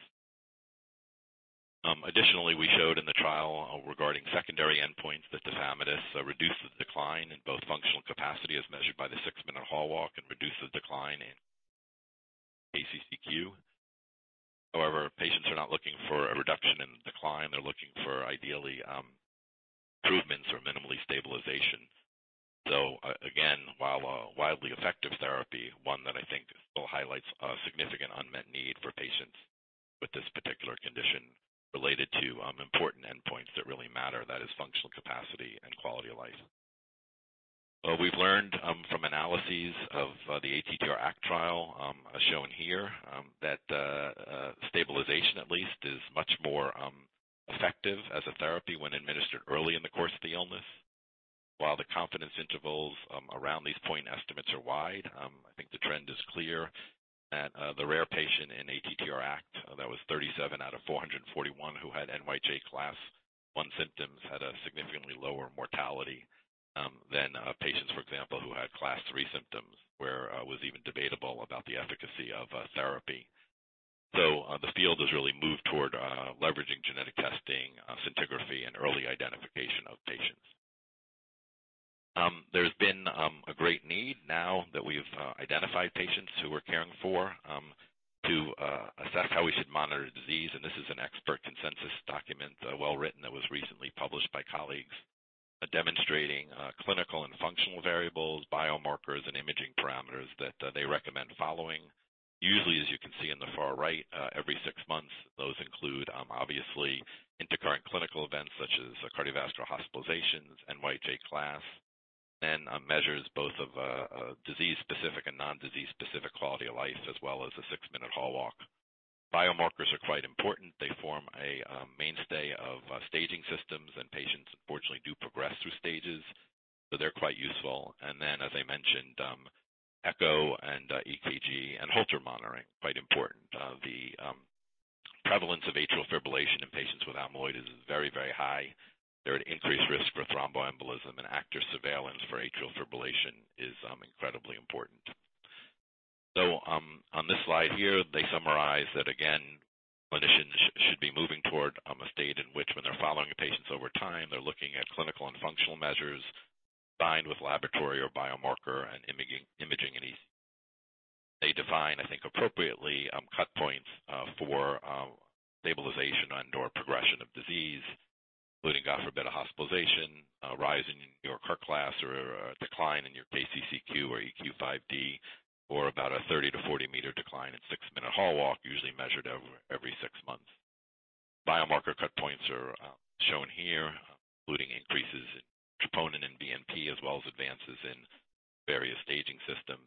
Additionally, we showed in the trial regarding secondary endpoints that tafamidis reduces the decline in both functional capacity, as measured by the six-minute walk, and reduces the decline in KCCQ. However, patients are not looking for a reduction in decline; they're looking for, ideally, improvements or minimal stabilization. Again, while a widely effective therapy, one that I think still highlights a significant unmet need for patients with this particular condition related to important endpoints that really matter, that is functional capacity and quality of life. We've learned from analyses of the ATTR-ACT trial, as shown here, that stabilization, at least, is much more effective as a therapy when administered early in the course of the illness. While the confidence intervals around these point estimates are wide, I think the trend is clear that the rare patient in ATTR-ACT that was 37 out of 441 who had NYHA class I symptoms had a significantly lower mortality than patients, for example, who had class III symptoms, where it was even debatable about the efficacy of therapy. So the field has really moved toward leveraging genetic testing, scintigraphy, and early identification of patients. There's been a great need now that we've identified patients who we're caring for to assess how we should monitor disease, and this is an expert consensus document well-written that was recently published by colleagues, demonstrating clinical and functional variables, biomarkers, and imaging parameters that they recommend following. Usually, as you can see in the far right, every six months, those include, obviously, intercurrent clinical events such as cardiovascular hospitalizations, NYHA class, and measures both of disease-specific and non-disease-specific quality of life, as well as a six-minute walk. Biomarkers are quite important. They form a mainstay of staging systems, and patients, unfortunately, do progress through stages, so they're quite useful. And then, as I mentioned, echo and EKG and Holter monitoring are quite important. The prevalence of atrial fibrillation in patients with amyloid is very, very high. They're at increased risk for thromboembolism, and active surveillance for atrial fibrillation is incredibly important. So, on this slide here, they summarize that, again, clinicians should be moving toward a state in which, when they're following patients over time, they're looking at clinical and functional measures combined with laboratory or biomarker and imaging in each. They define, I think, appropriately, cut points for stabilization and/or progression of disease, including, God forbid, a hospitalization, a rise in your NYHA class, or a decline in your KCCQ or EQ-5D, or about a 30- to 40-meter decline in six-minute walk, usually measured every six months. Biomarker cut points are shown here, including increases in troponin and BNP, as well as advances in various staging systems.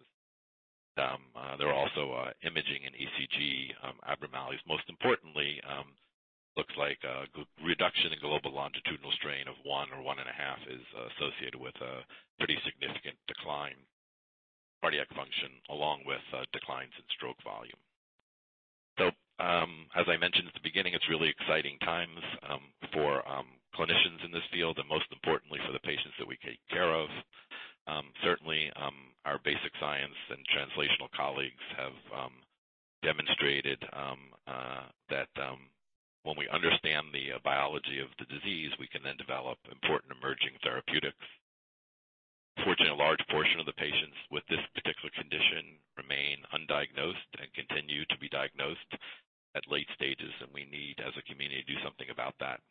There are also imaging and ECG abnormalities. Most importantly, it looks like a reduction in global longitudinal strain of one or one and a half is associated with a pretty significant decline in cardiac function, along with declines in stroke volume. So, as I mentioned at the beginning, it's really exciting times for clinicians in this field, and most importantly, for the patients that we take care of. Certainly, our basic science and translational colleagues have demonstrated that when we understand the biology of the disease, we can then develop important emerging therapeutics. Unfortunately, a large portion of the patients with this particular condition remain undiagnosed and continue to be diagnosed at late stages, and we need, as a community, to do something about that.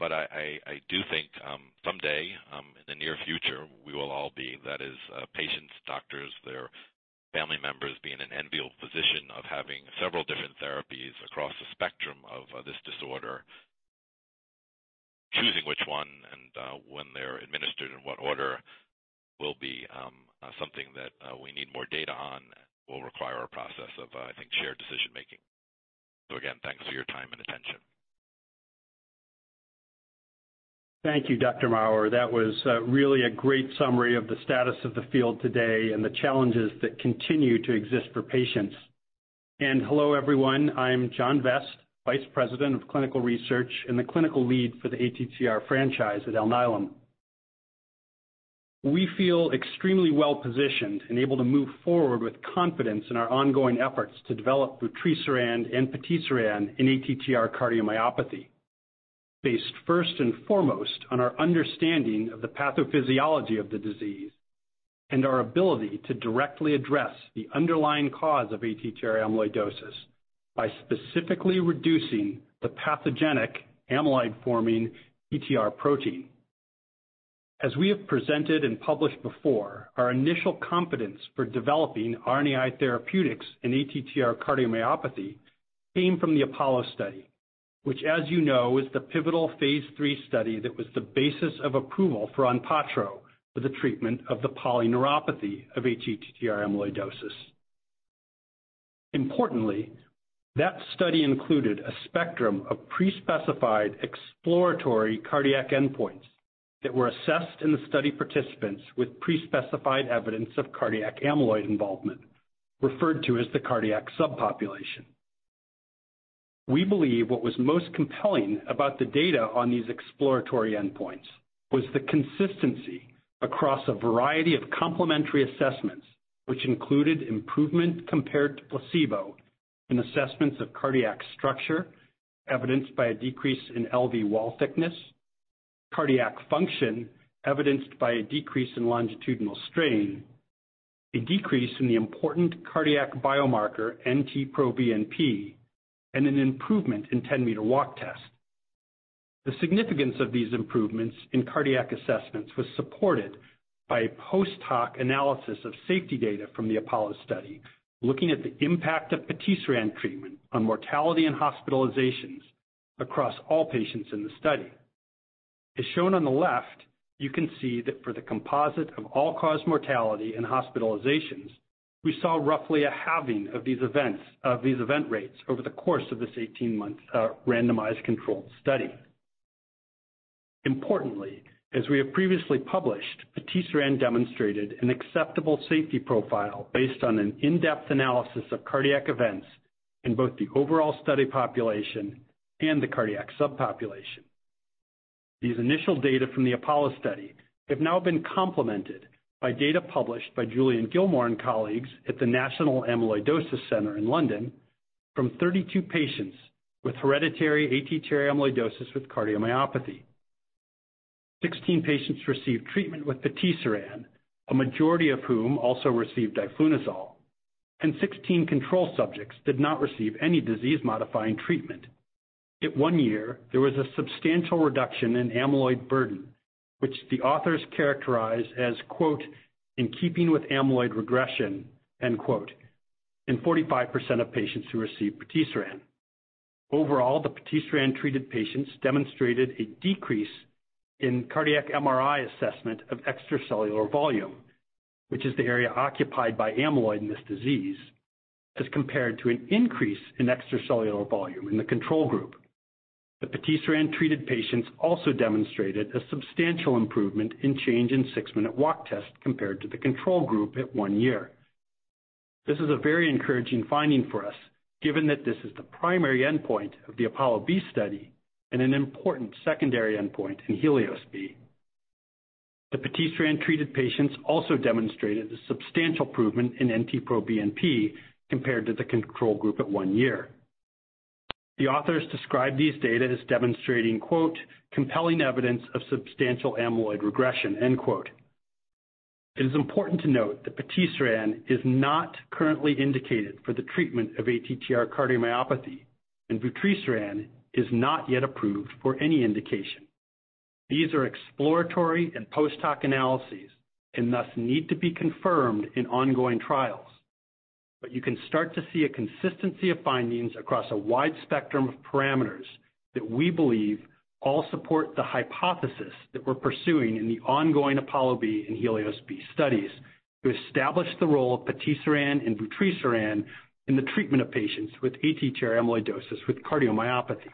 But I do think someday, in the near future, we will all be. That is, patients, doctors, their family members, being in an enviable position of having several different therapies across the spectrum of this disorder. Choosing which one and when they're administered and what order will be something that we need more data on will require a process of, I think, shared decision-making. So, again, thanks for your time and attention. Thank you, Dr. Maurer. That was really a great summary of the status of the field today and the challenges that continue to exist for patients. Hello, everyone. I'm John Vest, VP of Clinical Research and the Clinical Lead for the ATTR franchise at Alnylam. We feel extremely well-positioned and able to move forward with confidence in our ongoing efforts to develop vutrisiran and patisiran in ATTR cardiomyopathy, based first and foremost on our understanding of the pathophysiology of the disease and our ability to directly address the underlying cause of ATTR amyloidosis by specifically reducing the pathogenic amyloid-forming TTR protein. As we have presented and published before, our initial confidence for developing RNAi therapeutics in ATTR cardiomyopathy came from the APOLLO study, which, as you know, is the pivotal phase III study that was the basis of approval for ONPATTRO for the treatment of the polyneuropathy of ATTR amyloidosis. Importantly, that study included a spectrum of pre-specified exploratory cardiac endpoints that were assessed in the study participants with pre-specified evidence of cardiac amyloid involvement, referred to as the cardiac subpopulation. We believe what was most compelling about the data on these exploratory endpoints was the consistency across a variety of complementary assessments, which included improvement compared to placebo in assessments of cardiac structure, evidenced by a decrease in LV wall thickness, cardiac function, evidenced by a decrease in longitudinal strain, a decrease in the important cardiac biomarker NT-proBNP, and an improvement in 10 m walk test. The significance of these improvements in cardiac assessments was supported by a post-hoc analysis of safety data from the APOLLO study, looking at the impact of patisiran treatment on mortality and hospitalizations across all patients in the study. As shown on the left, you can see that for the composite of all-cause mortality and hospitalizations, we saw roughly a halving of these events of these event rates over the course of this 18-month randomized controlled study. Importantly, as we have previously published, patisiran demonstrated an acceptable safety profile based on an in-depth analysis of cardiac events in both the overall study population and the cardiac subpopulation. These initial data from the APOLLO study have now been complemented by data published by Julian Gillmore and colleagues at the National Amyloidosis Center in London from 32 patients with hereditary ATTR amyloidosis with cardiomyopathy. 16 patients received treatment with patisiran, a majority of whom also received diflunisal, and 16 control subjects did not receive any disease-modifying treatment. At one year, there was a substantial reduction in amyloid burden, which the authors characterize as, "In keeping with amyloid regression," in 45% of patients who received patisiran. Overall, the patisiran-treated patients demonstrated a decrease in cardiac MRI assessment of extracellular volume, which is the area occupied by amyloid in this disease, as compared to an increase in extracellular volume in the control group. The patisiran-treated patients also demonstrated a substantial improvement in change in six-minute walk test compared to the control group at one year. This is a very encouraging finding for us, given that this is the primary endpoint of the APOLLO-B study and an important secondary endpoint in HELIOS-B. The patisiran-treated patients also demonstrated a substantial improvement in NT-proBNP compared to the control group at one year. The authors describe these data as demonstrating "compelling evidence of substantial amyloid regression." It is important to note that patisiran is not currently indicated for the treatment of ATTR cardiomyopathy, and vutrisiran is not yet approved for any indication. These are exploratory and post-hoc analyses and thus need to be confirmed in ongoing trials. But you can start to see a consistency of findings across a wide spectrum of parameters that we believe all support the hypothesis that we're pursuing in the ongoing APOLLO-B and HELIOS-B studies to establish the role of patisiran and vutrisiran in the treatment of patients with ATTR amyloidosis with cardiomyopathy.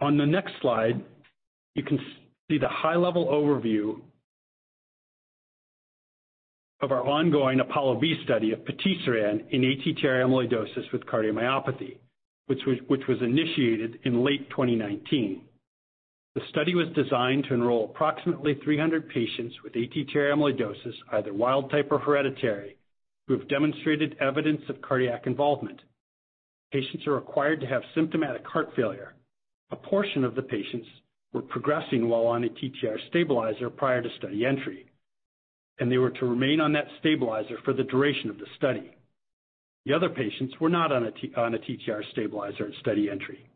On the next slide, you can see the high-level overview of our ongoing APOLLO-B study of patisiran in ATTR amyloidosis with cardiomyopathy, which was initiated in late 2019. The study was designed to enroll approximately 300 patients with ATTR amyloidosis, either wild-type or hereditary, who have demonstrated evidence of cardiac involvement. Patients are required to have symptomatic heart failure. A portion of the patients were progressing while on a TTR stabilizer prior to study entry, and they were to remain on that stabilizer for the duration of the study. The other patients were not on a TTR stabilizer at study entry.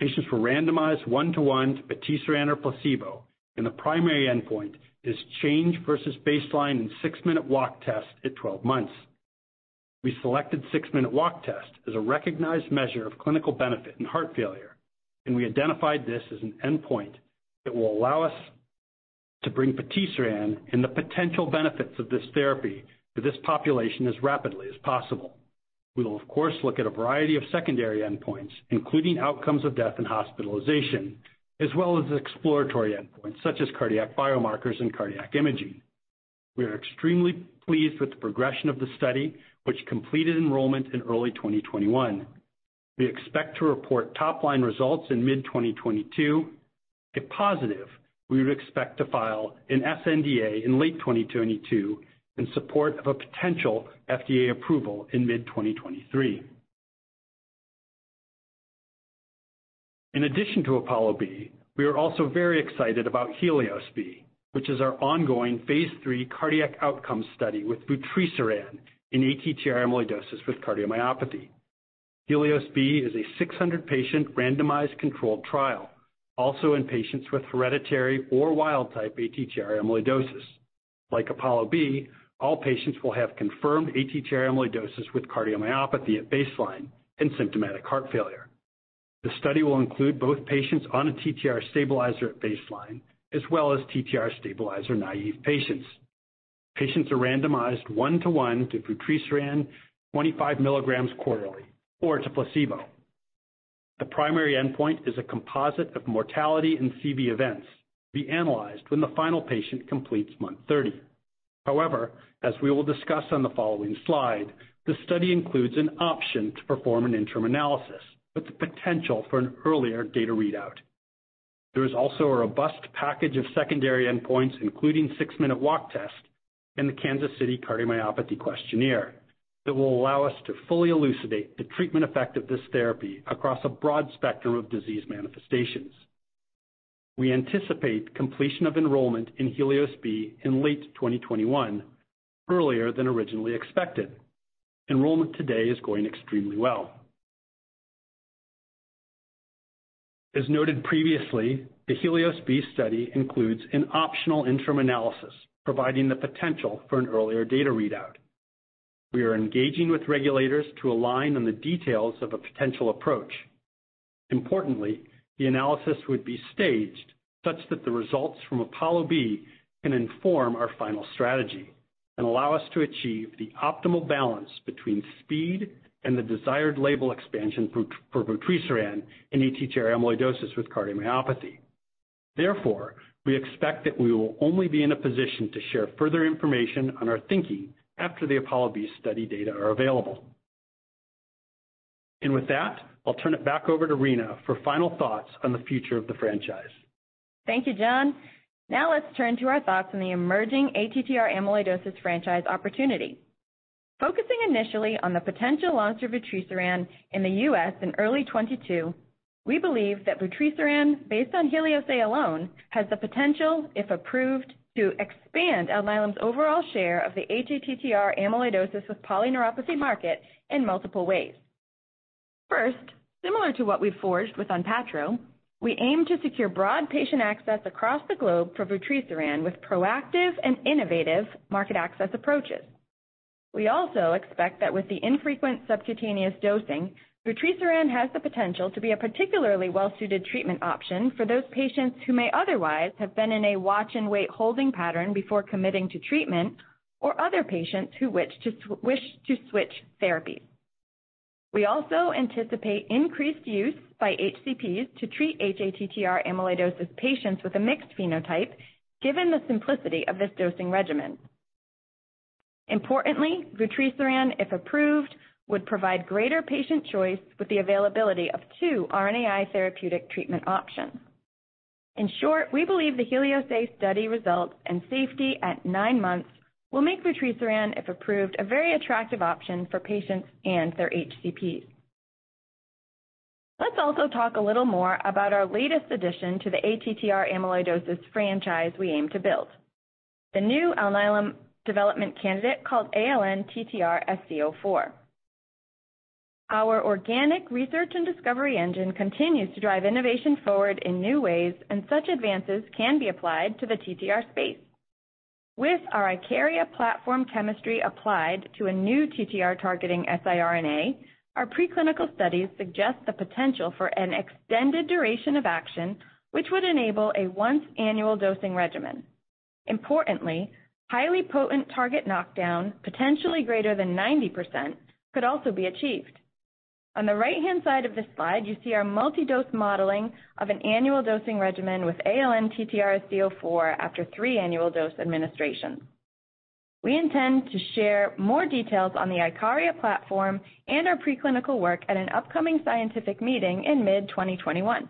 Patients were randomized one-to-one to patisiran or placebo, and the primary endpoint is change versus baseline in six-minute walk test at 12 months. We selected six-minute walk test as a recognized measure of clinical benefit in heart failure, and we identified this as an endpoint that will allow us to bring patisiran and the potential benefits of this therapy to this population as rapidly as possible. We will, of course, look at a variety of secondary endpoints, including outcomes of death and hospitalization, as well as exploratory endpoints such as cardiac biomarkers and cardiac imaging. We are extremely pleased with the progression of the study, which completed enrollment in early 2021. We expect to report top-line results in mid-2022. If positive, we would expect to file an sNDA in late 2022 in support of a potential FDA approval in mid-2023. In addition to APOLLO-B, we are also very excited about HELIOS-B, which is our ongoing phase III cardiac outcome study with vutrisiran in ATTR amyloidosis with cardiomyopathy. HELIOS-B is a 600-patient randomized controlled trial, also in patients with hereditary or wild-type ATTR amyloidosis. Like APOLLO-B, all patients will have confirmed ATTR amyloidosis with cardiomyopathy at baseline and symptomatic heart failure. The study will include both patients on a TTR stabilizer at baseline as well as TTR stabilizer naive patients. Patients are randomized one-to-one to vutrisiran 25 mg quarterly or to placebo. The primary endpoint is a composite of mortality and CV events to be analyzed when the final patient completes month 30. However, as we will discuss on the following slide, the study includes an option to perform an interim analysis with the potential for an earlier data readout. There is also a robust package of secondary endpoints, including six-minute walk test and the Kansas City Cardiomyopathy Questionnaire, that will allow us to fully elucidate the treatment effect of this therapy across a broad spectrum of disease manifestations. We anticipate completion of enrollment in HELIOS-B in late 2021, earlier than originally expected. Enrollment today is going extremely well. As noted previously, the HELIOS-B study includes an optional interim analysis providing the potential for an earlier data readout. We are engaging with regulators to align on the details of a potential approach. Importantly, the analysis would be staged such that the results from APOLLO-B can inform our final strategy and allow us to achieve the optimal balance between speed and the desired label expansion for vutrisiran in ATTR amyloidosis with cardiomyopathy. Therefore, we expect that we will only be in a position to share further information on our thinking after the APOLLO-B study data are available. And with that, I'll turn it back over to Rena for final thoughts on the future of the franchise. Thank you, John. Now let's turn to our thoughts on the emerging ATTR amyloidosis franchise opportunity. Focusing initially on the potential launch of vutrisiran in the U.S. In early 2022, we believe that vutrisiran, based on HELIOS-A alone, has the potential, if approved, to expand Alnylam's overall share of the ATTR amyloidosis with polyneuropathy market in multiple ways. First, similar to what we've forged with ONPATTRO, we aim to secure broad patient access across the globe for vutrisiran with proactive and innovative market access approaches. We also expect that with the infrequent subcutaneous dosing, vutrisiran has the potential to be a particularly well-suited treatment option for those patients who may otherwise have been in a watch-and-wait holding pattern before committing to treatment or other patients who wish to switch therapies. We also anticipate increased use by HCPs to treat ATTR amyloidosis patients with a mixed phenotype, given the simplicity of this dosing regimen. Importantly, vutrisiran, if approved, would provide greater patient choice with the availability of two RNAi therapeutic treatment options. In short, we believe the HELIOS-A study results and safety at nine months will make vutrisiran, if approved, a very attractive option for patients and their HCPs. Let's also talk a little more about our latest addition to the ATTR amyloidosis franchise we aim to build, the new Alnylam development candidate called ALN-TTRsc04. Our organic research and discovery engine continues to drive innovation forward in new ways, and such advances can be applied to the TTR space. With our IKARIA platform chemistry applied to a new TTR-targeting siRNA, our preclinical studies suggest the potential for an extended duration of action, which would enable a once-annual dosing regimen. Importantly, highly potent target knockdown, potentially greater than 90%, could also be achieved. On the right-hand side of this slide, you see our multi-dose modeling of an annual dosing regimen with ALN-TTRsc04 after three annual dose administrations. We intend to share more details on the IKARIA platform and our preclinical work at an upcoming scientific meeting in mid-2021.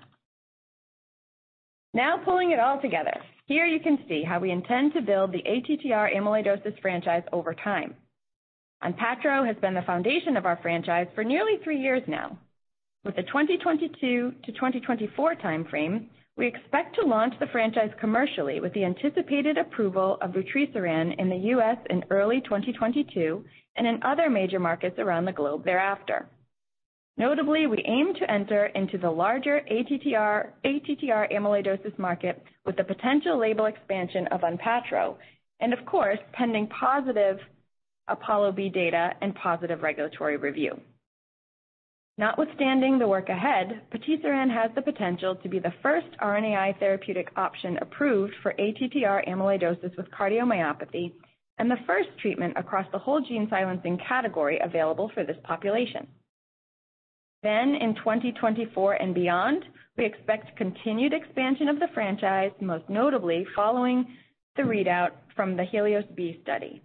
Now pulling it all together, here you can see how we intend to build the ATTR amyloidosis franchise over time. ONPATTRO has been the foundation of our franchise for nearly three years now. With the 2022 to 2024 timeframe, we expect to launch the franchise commercially with the anticipated approval of vutrisiran in the U.S. in early 2022 and in other major markets around the globe thereafter. Notably, we aim to enter into the larger ATTR amyloidosis market with the potential label expansion of ONPATTRO and, of course, pending positive APOLLO-B data and positive regulatory review. Notwithstanding the work ahead, patisiran has the potential to be the first RNAi therapeutic option approved for ATTR amyloidosis with cardiomyopathy and the first treatment across the whole gene silencing category available for this population. Then, in 2024 and beyond, we expect continued expansion of the franchise, most notably following the readout from the HELIOS-B study.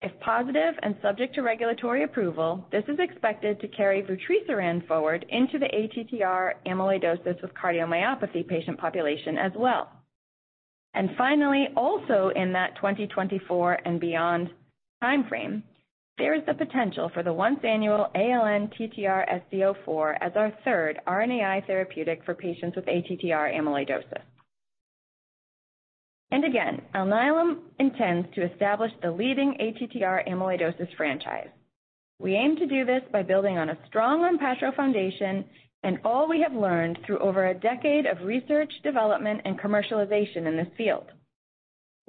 If positive and subject to regulatory approval, this is expected to carry vutrisiran forward into the ATTR amyloidosis with cardiomyopathy patient population as well. And finally, also in that 2024 and beyond timeframe, there is the potential for the once-annual ALN-TTRsc04 as our third RNAi therapeutic for patients with ATTR amyloidosis. And again, Alnylam intends to establish the leading ATTR amyloidosis franchise. We aim to do this by building on a strong ONPATTRO foundation and all we have learned through over a decade of research, development, and commercialization in this field.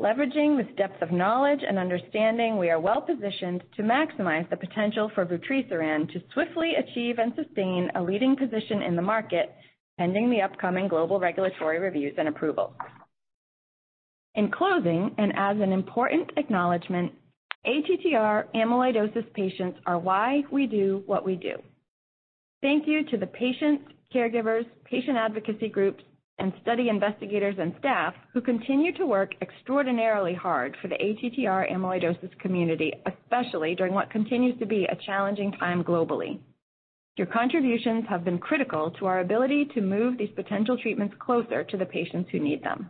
Leveraging this depth of knowledge and understanding, we are well-positioned to maximize the potential for vutrisiran to swiftly achieve and sustain a leading position in the market pending the upcoming global regulatory reviews and approvals. In closing, and as an important acknowledgment, ATTR amyloidosis patients are why we do what we do. Thank you to the patients, caregivers, patient advocacy groups, and study investigators and staff who continue to work extraordinarily hard for the ATTR amyloidosis community, especially during what continues to be a challenging time globally. Your contributions have been critical to our ability to move these potential treatments closer to the patients who need them.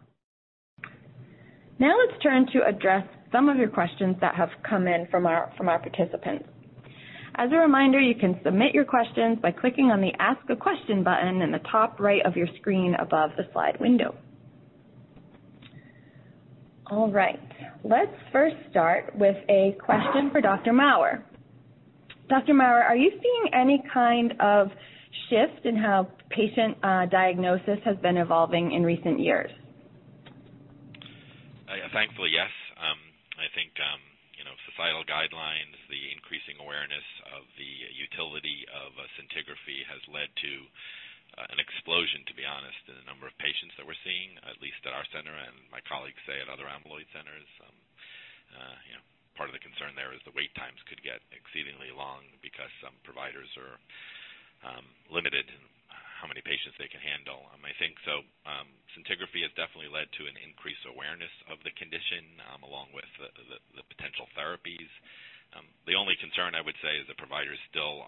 Now let's turn to address some of your questions that have come in from our participants. As a reminder, you can submit your questions by clicking on the Ask a Question button in the top right of your screen above the slide window. All right. Let's first start with a question for Dr. Maurer. Dr. Maurer, are you seeing any kind of shift in how patient diagnosis has been evolving in recent years? Thankfully, yes. I think societal guidelines, the increasing awareness of the utility of scintigraphy has led to an explosion, to be honest, in the number of patients that we're seeing, at least at our center and my colleagues say at other amyloid centers. Part of the concern there is the wait times could get exceedingly long because some providers are limited in how many patients they can handle. I think so. Scintigraphy has definitely led to an increased awareness of the condition along with the potential therapies. The only concern, I would say, is that providers still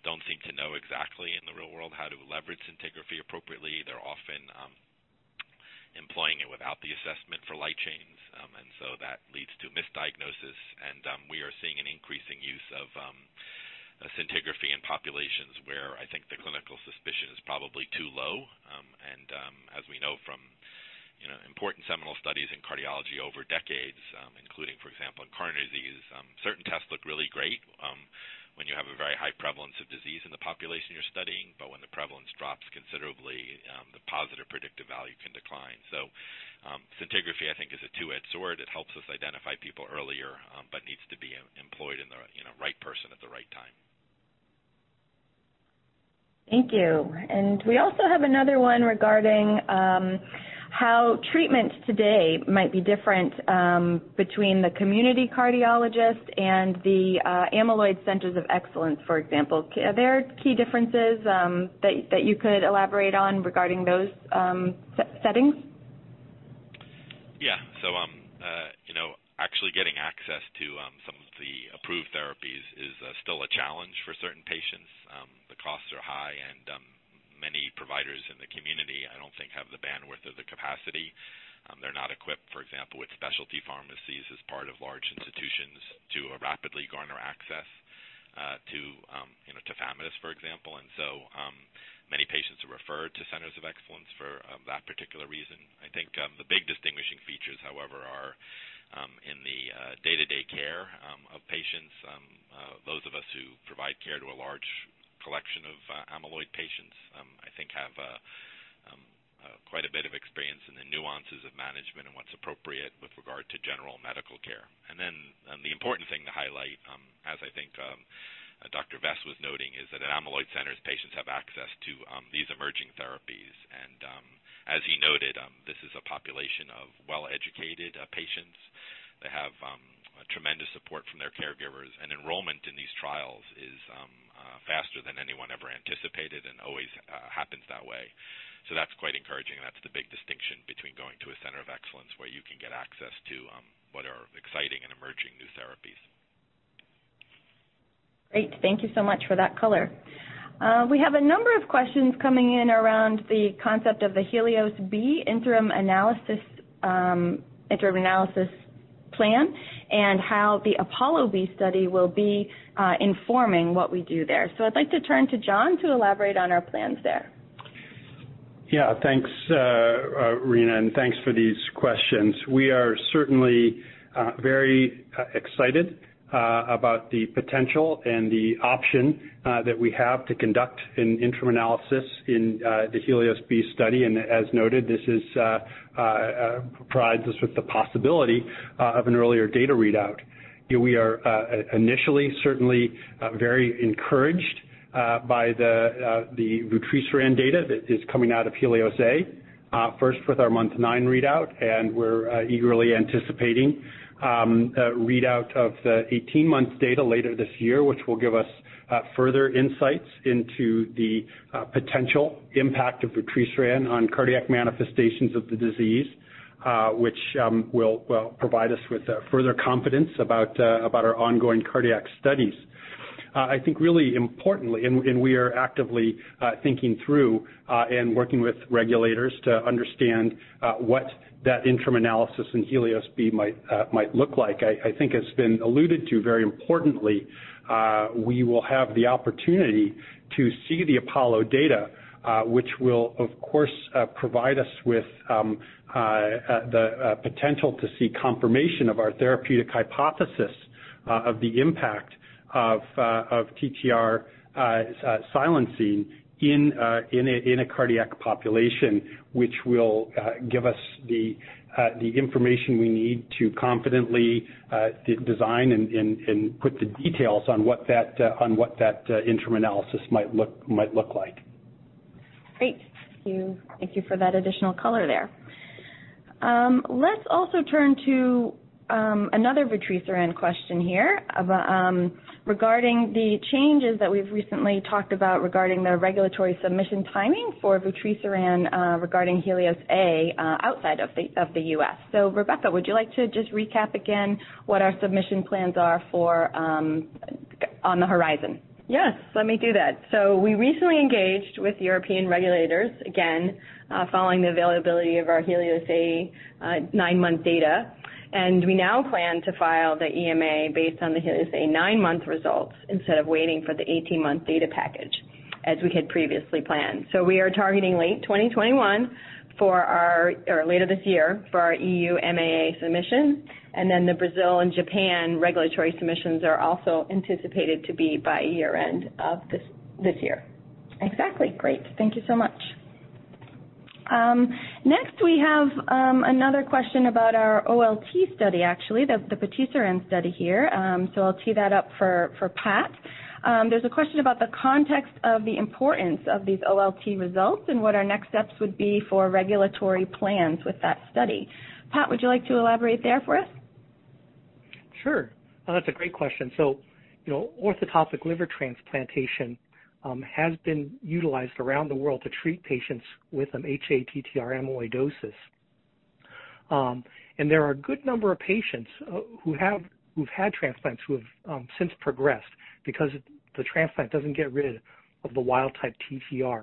don't seem to know exactly in the real world how to leverage scintigraphy appropriately. They're often employing it without the assessment for light chains, and so that leads to misdiagnosis and we are seeing an increasing use of scintigraphy in populations where I think the clinical suspicion is probably too low. As we know from important seminal studies in cardiology over decades, including, for example, in coronary disease, certain tests look really great when you have a very high prevalence of disease in the population you're studying, but when the prevalence drops considerably, the positive predictive value can decline. So scintigraphy, I think, is a two-edged sword. It helps us identify people earlier but needs to be employed in the right person at the right time. Thank you. We also have another one regarding how treatment today might be different between the community cardiologist and the Amyloid Centers of Excellence, for example. Are there key differences that you could elaborate on regarding those settings? Yeah. So actually getting access to some of the approved therapies is still a challenge for certain patients. The costs are high, and many providers in the community, I don't think, have the bandwidth or the capacity. They're not equipped, for example, with specialty pharmacies as part of large institutions to rapidly garner access to tafamidis, for example. And so many patients are referred to Centers of Excellence for that particular reason. I think the big distinguishing features, however, are in the day-to-day care of patients. Those of us who provide care to a large collection of amyloid patients, I think, have quite a bit of experience in the nuances of management and what's appropriate with regard to general medical care. And then the important thing to highlight, as I think Dr. Vest was noting, is that at Amyloid centers, patients have access to these emerging therapies. And as he noted, this is a population of well-educated patients. They have tremendous support from their caregivers, and enrollment in these trials is faster than anyone ever anticipated and always happens that way. So that's quite encouraging, and that's the big distinction between going to a Center of Excellence where you can get access to what are exciting and emerging new therapies. Great. Thank you so much for that color. We have a number of questions coming in around the concept of the HELIOS-B interim analysis plan and how the APOLLO-B study will be informing what we do there. So I'd like to turn to John to elaborate on our plans there. Yeah. Thanks, Rena, and thanks for these questions. We are certainly very excited about the potential and the option that we have to conduct an interim analysis in the HELIOS-B study. As noted, this provides us with the possibility of an earlier data readout. We are initially certainly very encouraged by the vutrisiran data that is coming out of HELIOS-A, first with our month nine readout, and we're eagerly anticipating a readout of the 18-month data later this year, which will give us further insights into the potential impact of vutrisiran on cardiac manifestations of the disease, which will provide us with further confidence about our ongoing cardiac studies. I think really importantly, and we are actively thinking through and working with regulators to understand what that interim analysis in HELIOS-B might look like. I think it's been alluded to very importantly. We will have the opportunity to see the APOLLO data, which will, of course, provide us with the potential to see confirmation of our therapeutic hypothesis of the impact of TTR silencing in a cardiac population, which will give us the information we need to confidently design and put the details on what that interim analysis might look like. Great. Thank you. Thank you for that additional color there. Let's also turn to another vutrisiran question here regarding the changes that we've recently talked about regarding the regulatory submission timing for vutrisiran regarding HELIOS-A outside of the U.S. So Rebecca, would you like to just recap again what our submission plans are on the horizon? Yes. Let me do that. So we recently engaged with European regulators, again, following the availability of our HELIOS-A nine-month data. We now plan to file the EMA based on the HELIOS-A nine months results instead of waiting for the 18-month data package as we had previously planned. So we are targeting late 2021 or later this year for our EU MAA submission. Then the Brazil and Japan regulatory submissions are also anticipated to be by year-end of this year. Exactly. Great. Thank you so much. Next, we have another question about our OLT study, actually, the vutrisiran study here. So I'll tee that up for Pat. There's a question about the context of the importance of these OLT results and what our next steps would be for regulatory plans with that study. Pat, would you like to elaborate there for us? Sure. That's a great question. So orthotopic liver transplantation has been utilized around the world to treat patients with hATTR amyloidosis. There are a good number of patients who've had transplants who have since progressed because the transplant doesn't get rid of the wild-type TTR.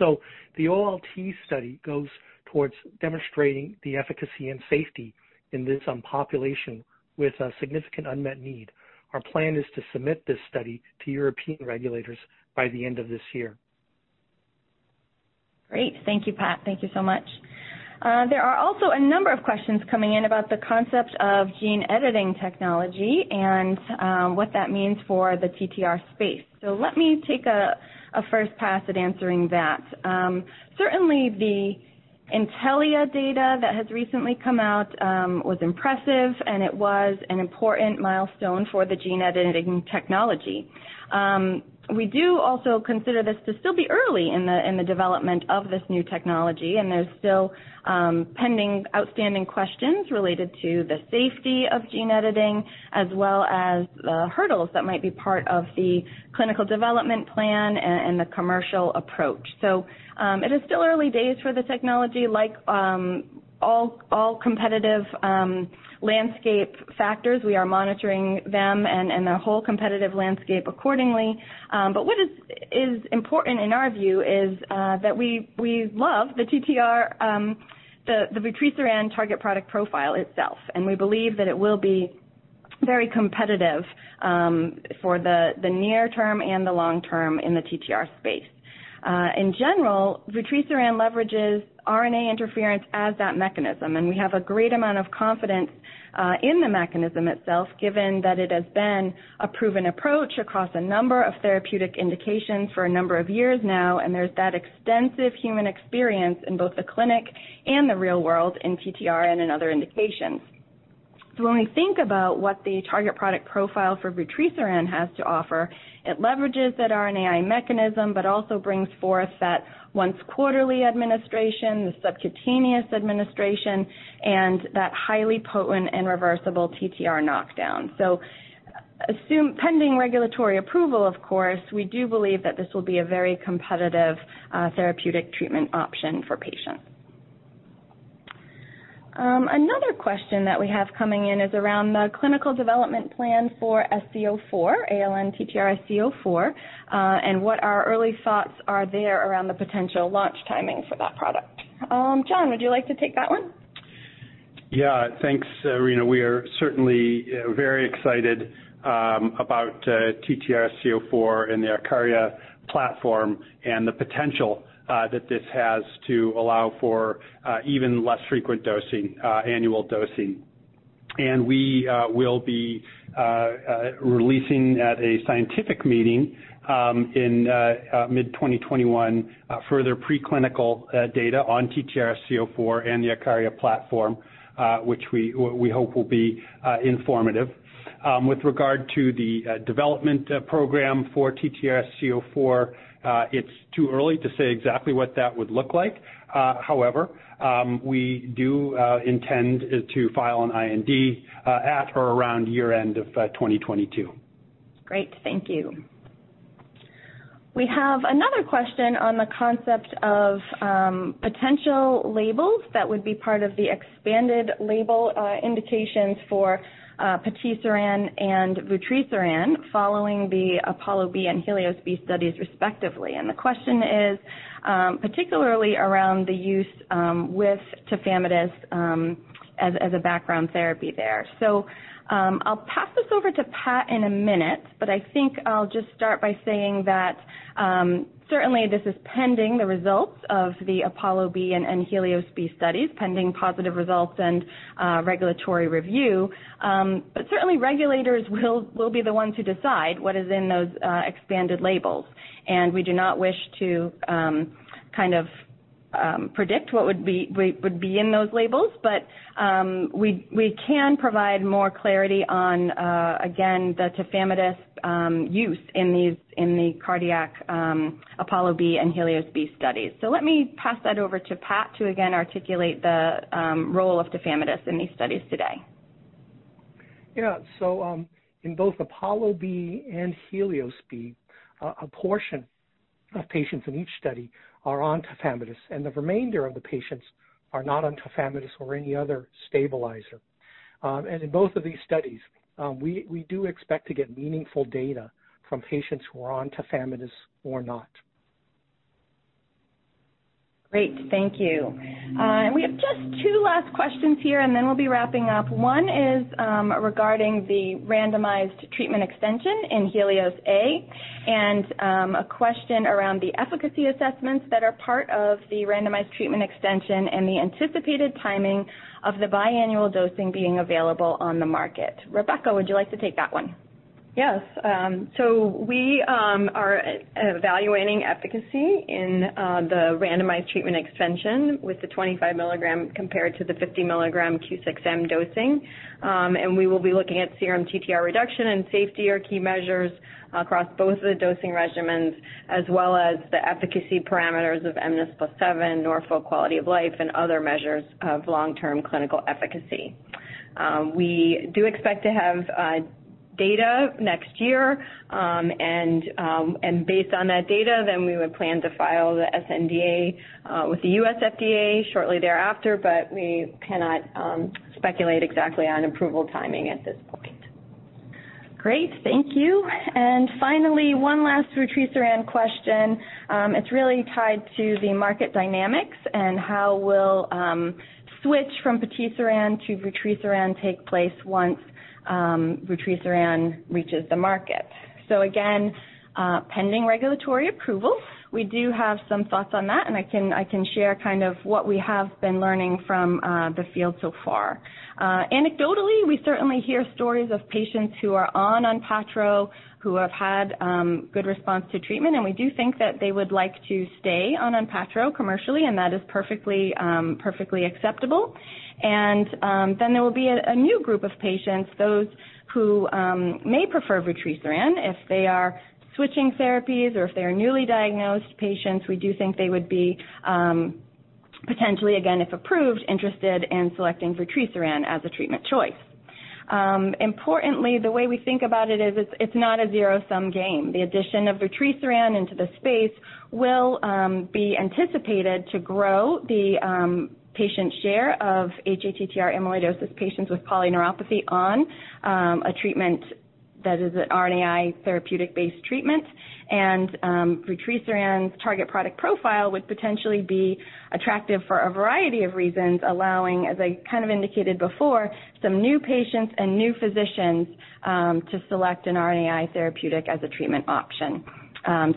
The OLT study goes towards demonstrating the efficacy and safety in this population with a significant unmet need. Our plan is to submit this study to European regulators by the end of this year. Great. Thank you, Pat. Thank you so much. There are also a number of questions coming in about the concept of gene editing technology and what that means for the TTR space. Let me take a first pass at answering that. Certainly, the Intellia data that has recently come out was impressive, and it was an important milestone for the gene editing technology. We do also consider this to still be early in the development of this new technology, and there's still pending outstanding questions related to the safety of gene editing as well as the hurdles that might be part of the clinical development plan and the commercial approach. So it is still early days for the technology. Like all competitive landscape factors, we are monitoring them and the whole competitive landscape accordingly. But what is important in our view is that we love the vutrisiran target product profile itself, and we believe that it will be very competitive for the near-term and the long-term in the TTR space. In general, vutrisiran leverages RNA interference as that mechanism, and we have a great amount of confidence in the mechanism itself, given that it has been a proven approach across a number of therapeutic indications for a number of years now, and there's that extensive human experience in both the clinic and the real world in TTR and in other indications. So when we think about what the target product profile for vutrisiran has to offer, it leverages that RNAi mechanism but also brings forth that once-quarterly administration, the subcutaneous administration, and that highly potent and reversible TTR knockdown. So pending regulatory approval, of course, we do believe that this will be a very competitive therapeutic treatment option for patients. Another question that we have coming in is around the clinical development plan for sc04, ALN-TTRsc04, and what our early thoughts are there around the potential launch timing for that product. John, would you like to take that one? Yeah. Thanks, Rena. We are certainly very excited about TTRsc04 and the IKARIA platform and the potential that this has to allow for even less frequent annual dosing, and we will be releasing at a scientific meeting in mid-2021 further preclinical data on TTRsc04 and the IKARIA platform, which we hope will be informative. With regard to the development program for TTRsc04, it's too early to say exactly what that would look like. However, we do intend to file an IND at or around year-end of 2022. Great. Thank you. We have another question on the concept of potential labels that would be part of the expanded label indications for patisiran and vutrisiran following the APOLLO-B and HELIOS-B studies, respectively. And the question is particularly around the use with tafamidis as a background therapy there. So I'll pass this over to Pat in a minute, but I think I'll just start by saying that certainly, this is pending the results of the APOLLO-B and HELIOS-B studies, pending positive results and regulatory review. But certainly, regulators will be the ones who decide what is in those expanded labels. And we do not wish to kind of predict what would be in those labels, but we can provide more clarity on, again, the tafamidis use in the cardiac APOLLO-B and HELIOS-B studies. So let me pass that over to Pat to, again, articulate the role of tafamidis in these studies today. Yeah. So in both APOLLO-B and HELIOS-B, a portion of patients in each study are on tafamidis, and the remainder of the patients are not on tafamidis or any other stabilizer. And in both of these studies, we do expect to get meaningful data from patients who are on tafamidis or not. Great. Thank you. And we have just two last questions here, and then we'll be wrapping up. One is regarding the randomized treatment extension in HELIOS-A and a question around the efficacy assessments that are part of the randomized treatment extension and the anticipated timing of the biannual dosing being available on the market. Rebecca, would you like to take that one? Yes. We are evaluating efficacy in the randomized treatment extension with the 25 mg compared to the 50 mg Q6M dosing. We will be looking at serum TTR reduction and safety or key measures across both of the dosing regimens as well as the efficacy parameters of mNIS+7, Norfolk Quality of Life, and other measures of long-term clinical efficacy. We do expect to have data next year, and based on that data, then we would plan to file the SNDA with the U.S. FDA shortly thereafter, but we cannot speculate exactly on approval timing at this point. Great. Thank you. Finally, one last vutrisiran question. It's really tied to the market dynamics and how will switch from patisiran to vutrisiran take place once vutrisiran reaches the market? Again, pending regulatory approval. We do have some thoughts on that, and I can share kind of what we have been learning from the field so far. Anecdotally, we certainly hear stories of patients who are on ONPATTRO, who have had good response to treatment, and we do think that they would like to stay on ONPATTRO commercially, and that is perfectly acceptable, and then there will be a new group of patients, those who may prefer vutrisiran. If they are switching therapies or if they are newly diagnosed patients, we do think they would be potentially, again, if approved, interested in selecting vutrisiran as a treatment choice. Importantly, the way we think about it is it's not a zero-sum game. The addition of vutrisiran into the space will be anticipated to grow the patient share of hATTR amyloidosis patients with polyneuropathy on a treatment that is an RNAi therapeutic-based treatment. Vutrisiran's target product profile would potentially be attractive for a variety of reasons, allowing, as I kind of indicated before, some new patients and new physicians to select an RNAi therapeutic as a treatment option.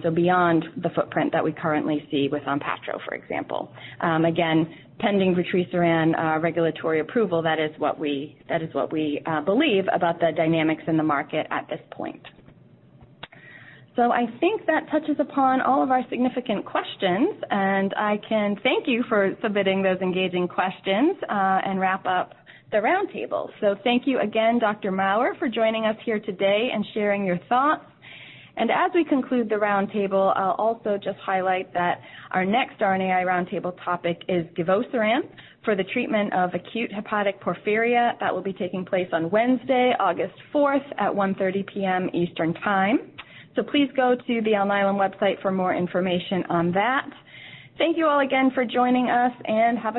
So beyond the footprint that we currently see with ONPATTRO, for example. Again, pending vutrisiran regulatory approval, that is what we believe about the dynamics in the mark et at this point. So I think that touches upon all of our significant questions, and I can thank you for submitting those engaging questions and wrap up the roundtable. So thank you again, Dr. Maurer, for joining us here today and sharing your thoughts. And as we conclude the roundtable, I'll also just highlight that our next RNAi roundtable topic is givosiran for the treatment of acute hepatic porphyria. That will be taking place on Wednesday, August 4th at 1:30 P.M. Eastern Time. So please go to the Alnylam website for more information on that. Thank you all again for joining us, and have a.